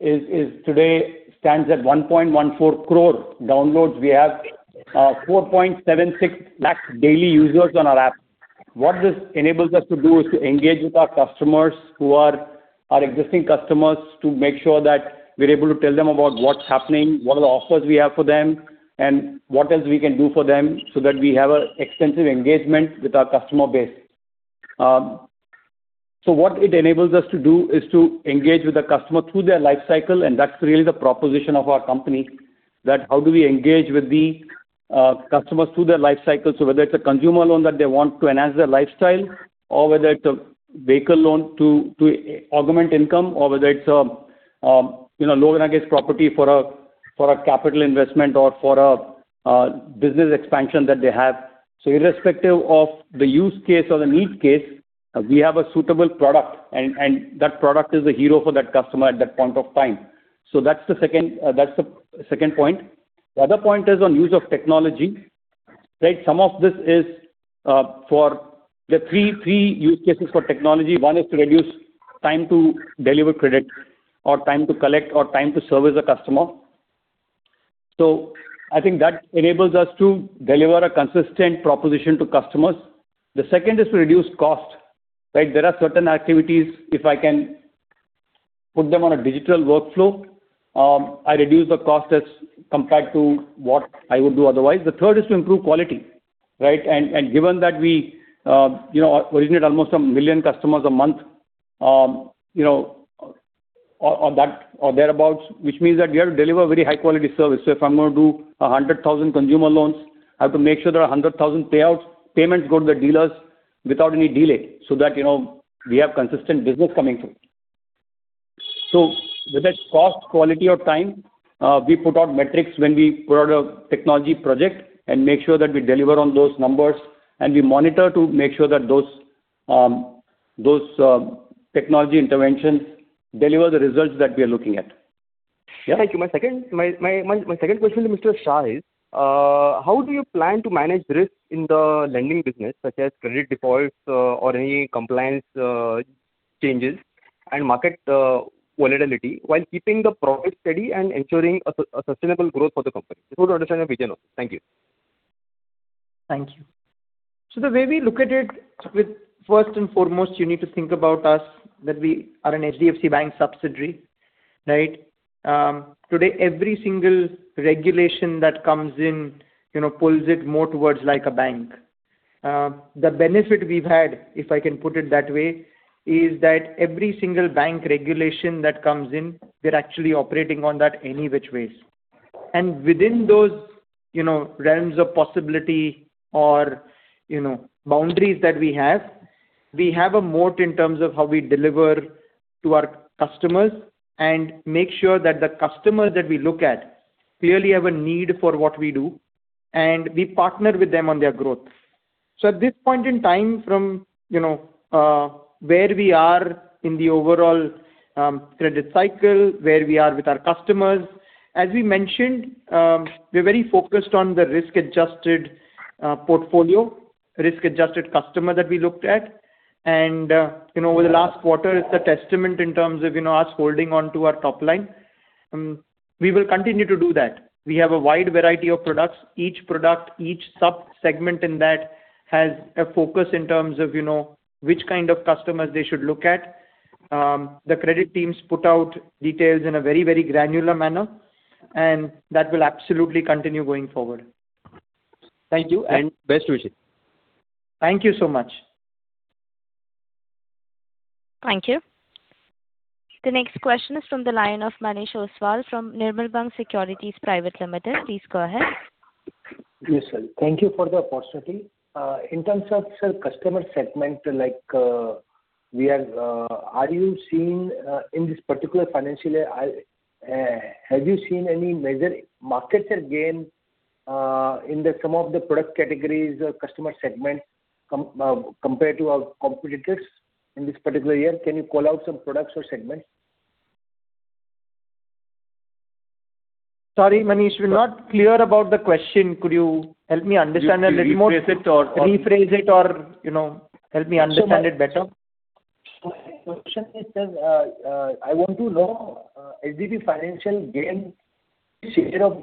today stands at 1.14 crore downloads. We have 4.76 lakh daily users on our app. What this enables us to do is to engage with our customers who are our existing customers, to make sure that we're able to tell them about what's happening, what are the offers we have for them, and what else we can do for them, so that we have an extensive engagement with our customer base. What it enables us to do is to engage with the customer through their life cycle, and that's really the proposition of our company, that how do we engage with the customers through their life cycle. Whether it's a consumer loan that they want to enhance their lifestyle, or whether it's a vehicle loan to augment income, or whether it's a loan against property for a capital investment or for a business expansion that they have. Irrespective of the use case or the need case, we have a suitable product, and that product is a hero for that customer at that point of time. That's the second point. The other point is on use of technology. Right? Some of this is for the three use cases for technology. One is to reduce time to deliver credit or time to collect or time to service a customer. I think that enables us to deliver a consistent proposition to customers. The second is to reduce cost, right? There are certain activities, if I can put them on a digital workflow, I reduce the cost as compared to what I would do otherwise. The third is to improve quality, right? Given that we originate almost 1 million customers a month or thereabout, which means that we have to deliver very high-quality service. If I'm going to do 100,000 consumer loans, I have to make sure there are 100,000 payouts, payments go to the dealers without any delay, so that we have consistent business coming through. Whether it's cost, quality, or time, we put out metrics when we put out a technology project and make sure that we deliver on those numbers, and we monitor to make sure that those technology interventions deliver the results that we are looking at. Yeah. Thank you. My second question to Mr. Shah is, how do you plan to manage risks in the lending business, such as credit defaults or any compliance changes and market volatility while keeping the profit steady and ensuring a sustainable growth for the company? I just want to understand your vision. Thank you. Thank you. The way we look at it with first and foremost, you need to think about us that we are an HDFC Bank subsidiary. Right? Today, every single regulation that comes in pulls it more towards like a bank. The benefit we've had, if I can put it that way, is that every single bank regulation that comes in, we're actually operating on that any which ways. Within those realms of possibility or boundaries that we have, we have a moat in terms of how we deliver to our customers and make sure that the customers that we look at clearly have a need for what we do, and we partner with them on their growth. At this point in time from where we are in the overall credit cycle, where we are with our customers, as we mentioned, we're very focused on the risk-adjusted portfolio, risk-adjusted customer that we looked at. Over the last quarter is a testament in terms of us holding onto our top line. We will continue to do that. We have a wide variety of products. Each product, each sub-segment in that has a focus in terms of which kind of customers they should look at. The credit teams put out details in a very granular manner, and that will absolutely continue going forward. Thank you and best wishes. Thank you so much. Thank you. The next question is from the line of Manish Ostwal from Nirmal Bang Securities Private Limited. Please go ahead. Yes, sir. Thank you for the opportunity. In terms of customer segment, have you seen any major market share gain in some of the product categories or customer segments compared to our competitors in this particular year? Can you call out some products or segments? Sorry, Manish. We're not clear about the question. Could you help me understand it a little more? Rephrase it. Rephrase it or help me understand it better. My question is, I want to know has there been HDB's gain in share of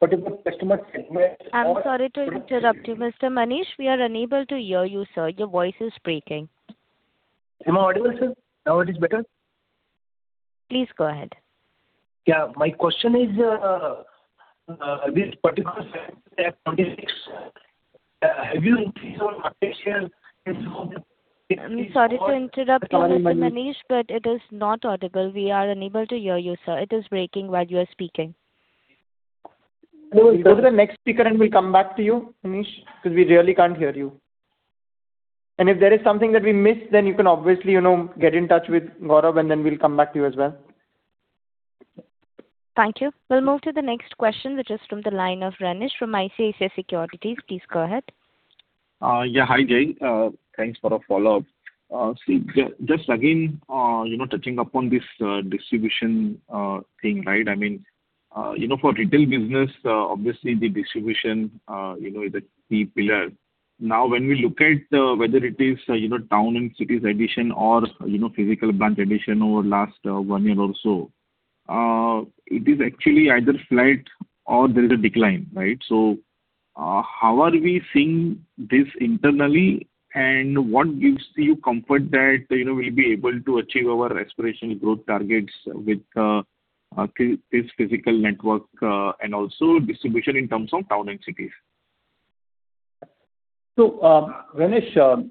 particular customer segment? I'm sorry to interrupt you, Mr. Manish. We are unable to hear you, sir. Your voice is breaking. Am I audible, sir? Now it is better? Please go ahead. Yeah. My question is, this particular segment, have you increased your market share? I'm sorry to interrupt you, Mr. Manish, but it is not audible. We are unable to hear you, sir. It is breaking while you are speaking. Go to the next speaker and we'll come back to you, Manish, because we really can't hear you. If there is something that we missed, then you can obviously get in touch with Gaurav, and then we'll come back to you as well. Thank you. We'll move to the next question, which is from the line of Renesh from ICICI Securities. Please go ahead. Yeah. Hi, Jay. Thanks for the follow-up. Just again, touching upon this distribution thing, for retail business, obviously the distribution is a key pillar. Now when we look at whether it is town and cities addition or physical branch addition over last one year or so, it is actually either flat or there is a decline. Right? How are we seeing this internally, and what gives you comfort that we'll be able to achieve our aspirational growth targets with this physical network and also distribution in terms of town and cities? Renesh,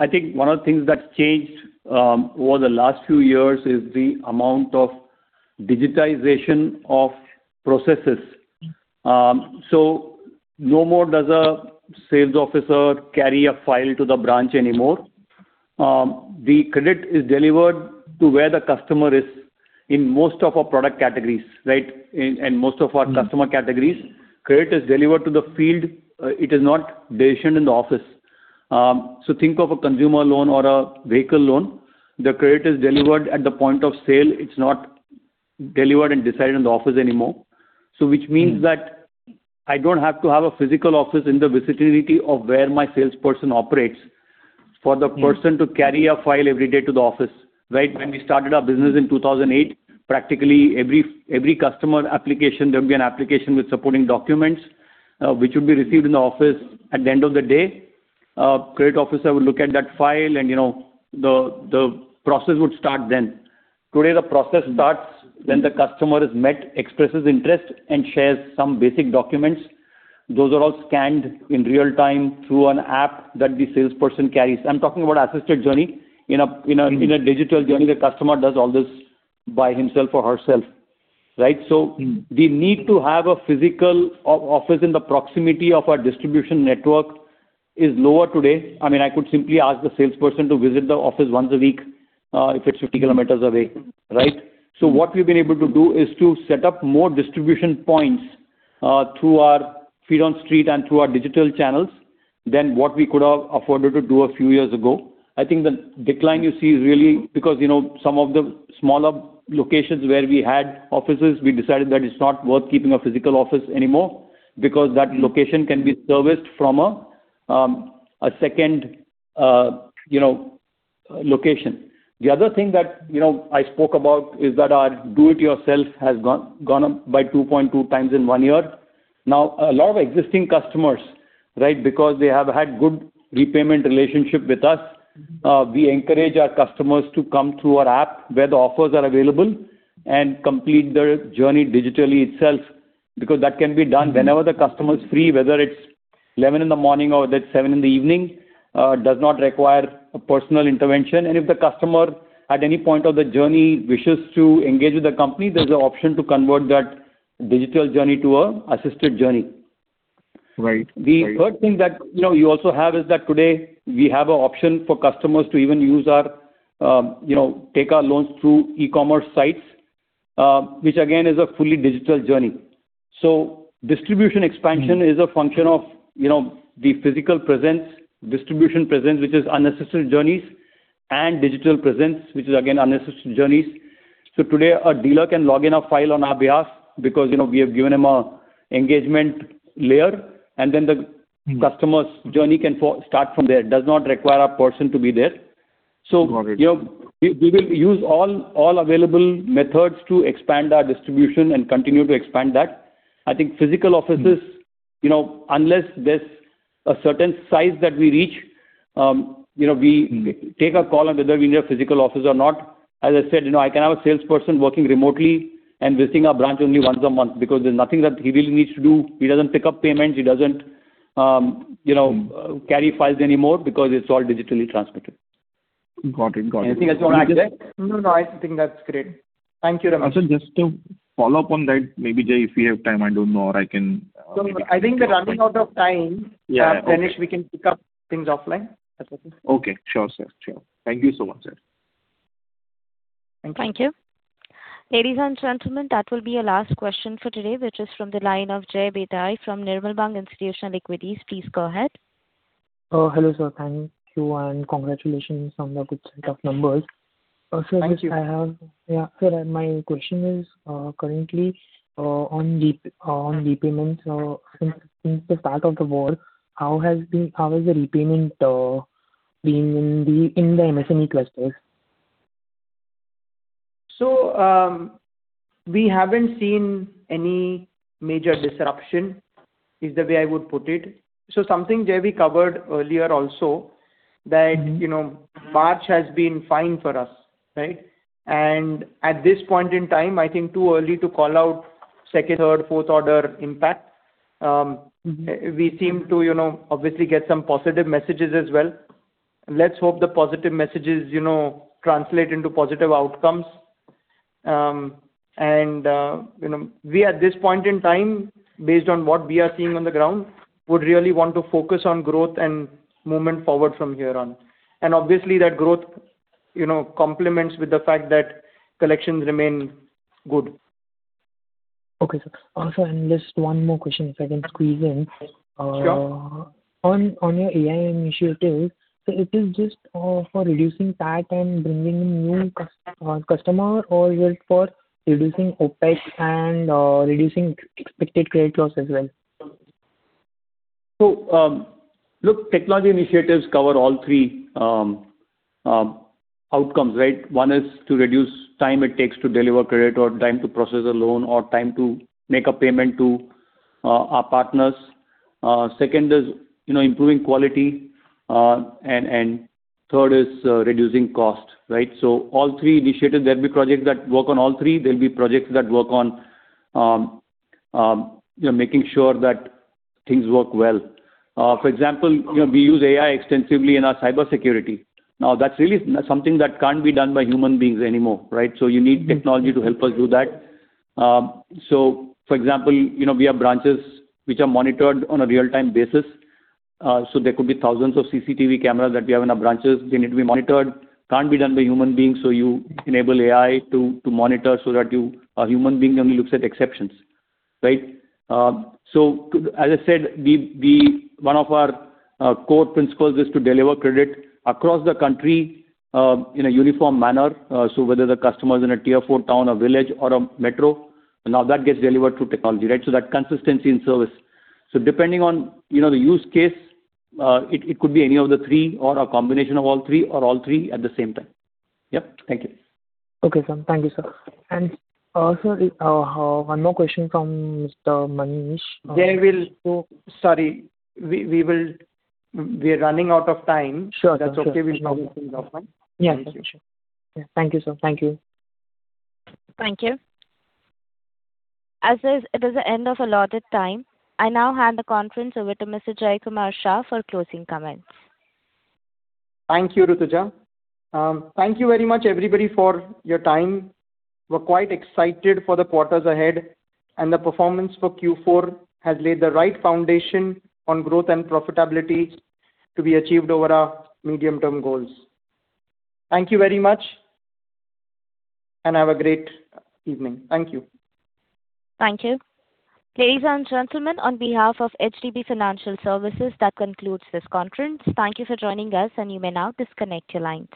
I think one of the things that's changed over the last few years is the amount of digitization of processes. No more does a sales officer carry a file to the branch anymore. The credit is delivered to where the customer is in most of our product categories, and most of our customer categories. Credit is delivered to the field. It is not decided in the office. Think of a consumer loan or a vehicle loan. The credit is delivered at the point of sale. It's not delivered and decided in the office anymore. Which means that I don't have to have a physical office in the vicinity of where my salesperson operates for the person to carry a file every day to the office. When we started our business in 2008, practically every customer application, there would be an application with supporting documents, which would be received in the office at the end of the day. A credit officer would look at that file and the process would start then. Today the process starts when the customer is met, expresses interest and shares some basic documents. Those are all scanned in real-time through an app that the salesperson carries. I'm talking about assisted journey. In a digital journey, the customer does all this by himself or herself. The need to have a physical office in the proximity of our distribution network is lower today. I could simply ask the salesperson to visit the office once a week, if it's 50 km away. What we've been able to do is to set up more distribution points through our feet on street and through our digital channels than what we could have afforded to do a few years ago. I think the decline you see is really because some of the smaller locations where we had offices, we decided that it's not worth keeping a physical office anymore because that location can be serviced from a second location. The other thing that I spoke about is that our do-it-yourself has gone up by 2.2x in one year. Now, a lot of existing customers, because they have had good repayment relationship with us, we encourage our customers to come through our app where the offers are available and complete their journey digitally itself, because that can be done whenever the customer is free, whether it's 11:00 A.M. or it is 7:00 P.M., does not require a personal intervention. If the customer, at any point of the journey wishes to engage with the company, there's an option to convert that digital journey to an assisted journey. Right. The third thing that you also have is that today we have an option for customers to even take our loans through e-commerce sites, which again, is a fully digital journey. Distribution expansion is a function of the physical presence, distribution presence, which is assisted journeys, and digital presence, which is again unassisted journeys. Today, a dealer can log in a file on our behalf because we have given him an engagement layer, and then the customer's journey can start from there. It does not require a person to be there. Got it. We will use all available methods to expand our distribution and continue to expand that. I think physical offices, unless there's a certain size that we reach, we take a call on whether we need a physical office or not. As I said, I can have a salesperson working remotely and visiting our branch only once a month because there's nothing that he really needs to do. He doesn't pick up payments. He doesn't carry files anymore because it's all digitally transmitted. Got it. Got it. Anything else you want to add there? No, I think that's great. Thank you, Ramesh. Also, just to follow up on that, maybe, Jay, if we have time, I don't know. I think we're running out of time. Yeah. Renesh, we can pick up things offline. That's okay. Okay. Sure. Thank you so much, sir. Thank you. Thank you. Ladies and gentlemen, that will be our last question for today, which is from the line of Jay Bhatawadekar from Nirmal Bang Institutional Equities. Please go ahead. Hello, Sir. Thank you, and congratulations on the good set of numbers. Thank you. Yeah. Sir, my question is, currently, on repayment, since the start of the war, how has the repayment been in the MSME cluster? We haven't seen any major disruption, is the way I would put it. Something, Jay, we covered earlier also, that March has been fine for us. Right? At this point in time, I think too early to call out second, third, fourth order impact. Mm-hmm. We seem to obviously get some positive messages as well. Let's hope the positive messages translate into positive outcomes. We, at this point in time, based on what we are seeing on the ground, would really want to focus on growth and movement forward from here on. Obviously that growth complements with the fact that collections remain good. Okay, sir. Also, just one more question if I can squeeze in. Sure. On your AI initiative, it is just for reducing TAT and bringing in new customer, or is it for reducing OpEx and reducing Expected Credit Loss as well? Look, technology initiatives cover all three outcomes. Right? One is to reduce time it takes to deliver credit or time to process a loan or time to make a payment to our partners. Second is improving quality, and third is reducing cost. Right? All three initiatives, there'll be projects that work on all three. There'll be projects that work on making sure that things work well. For example, we use AI extensively in our cybersecurity. Now, that's really something that can't be done by human beings anymore. Right? You need technology to help us do that. For example, we have branches which are monitored on a real-time basis. There could be thousands of CCTV cameras that we have in our branches. They need to be monitored. Can't be done by human beings. You enable AI to monitor so that a human being only looks at exceptions. Right? As I said, one of our core principles is to deliver credit across the country in a uniform manner, whether the customer's in a tier four town, a village, or a metro. Now, that gets delivered through technology, right, that consistency in service. Depending on the use case, it could be any of the three or a combination of all three, or all three at the same time. Yep. Thank you. Okay, sir. Thank you, sir. Also, one more question from Mr. Manish. Jay, sorry, we are running out of time. Sure. If that's okay, we'll pick up things offline. Yeah. Sure. Thank you, sir. Thank you. Thank you. As it is the end of allotted time, I now hand the conference over to Mr. Jaykumar Shah for closing comments. Thank you, Rutuja. Thank you very much everybody for your time. We're quite excited for the quarters ahead, and the performance for Q4 has laid the right foundation on growth and profitability to be achieved over our medium-term goals. Thank you very much, and have a great evening. Thank you. Thank you. Ladies and gentlemen, on behalf of HDB Financial Services, that concludes this conference. Thank you for joining us, and you may now disconnect your line.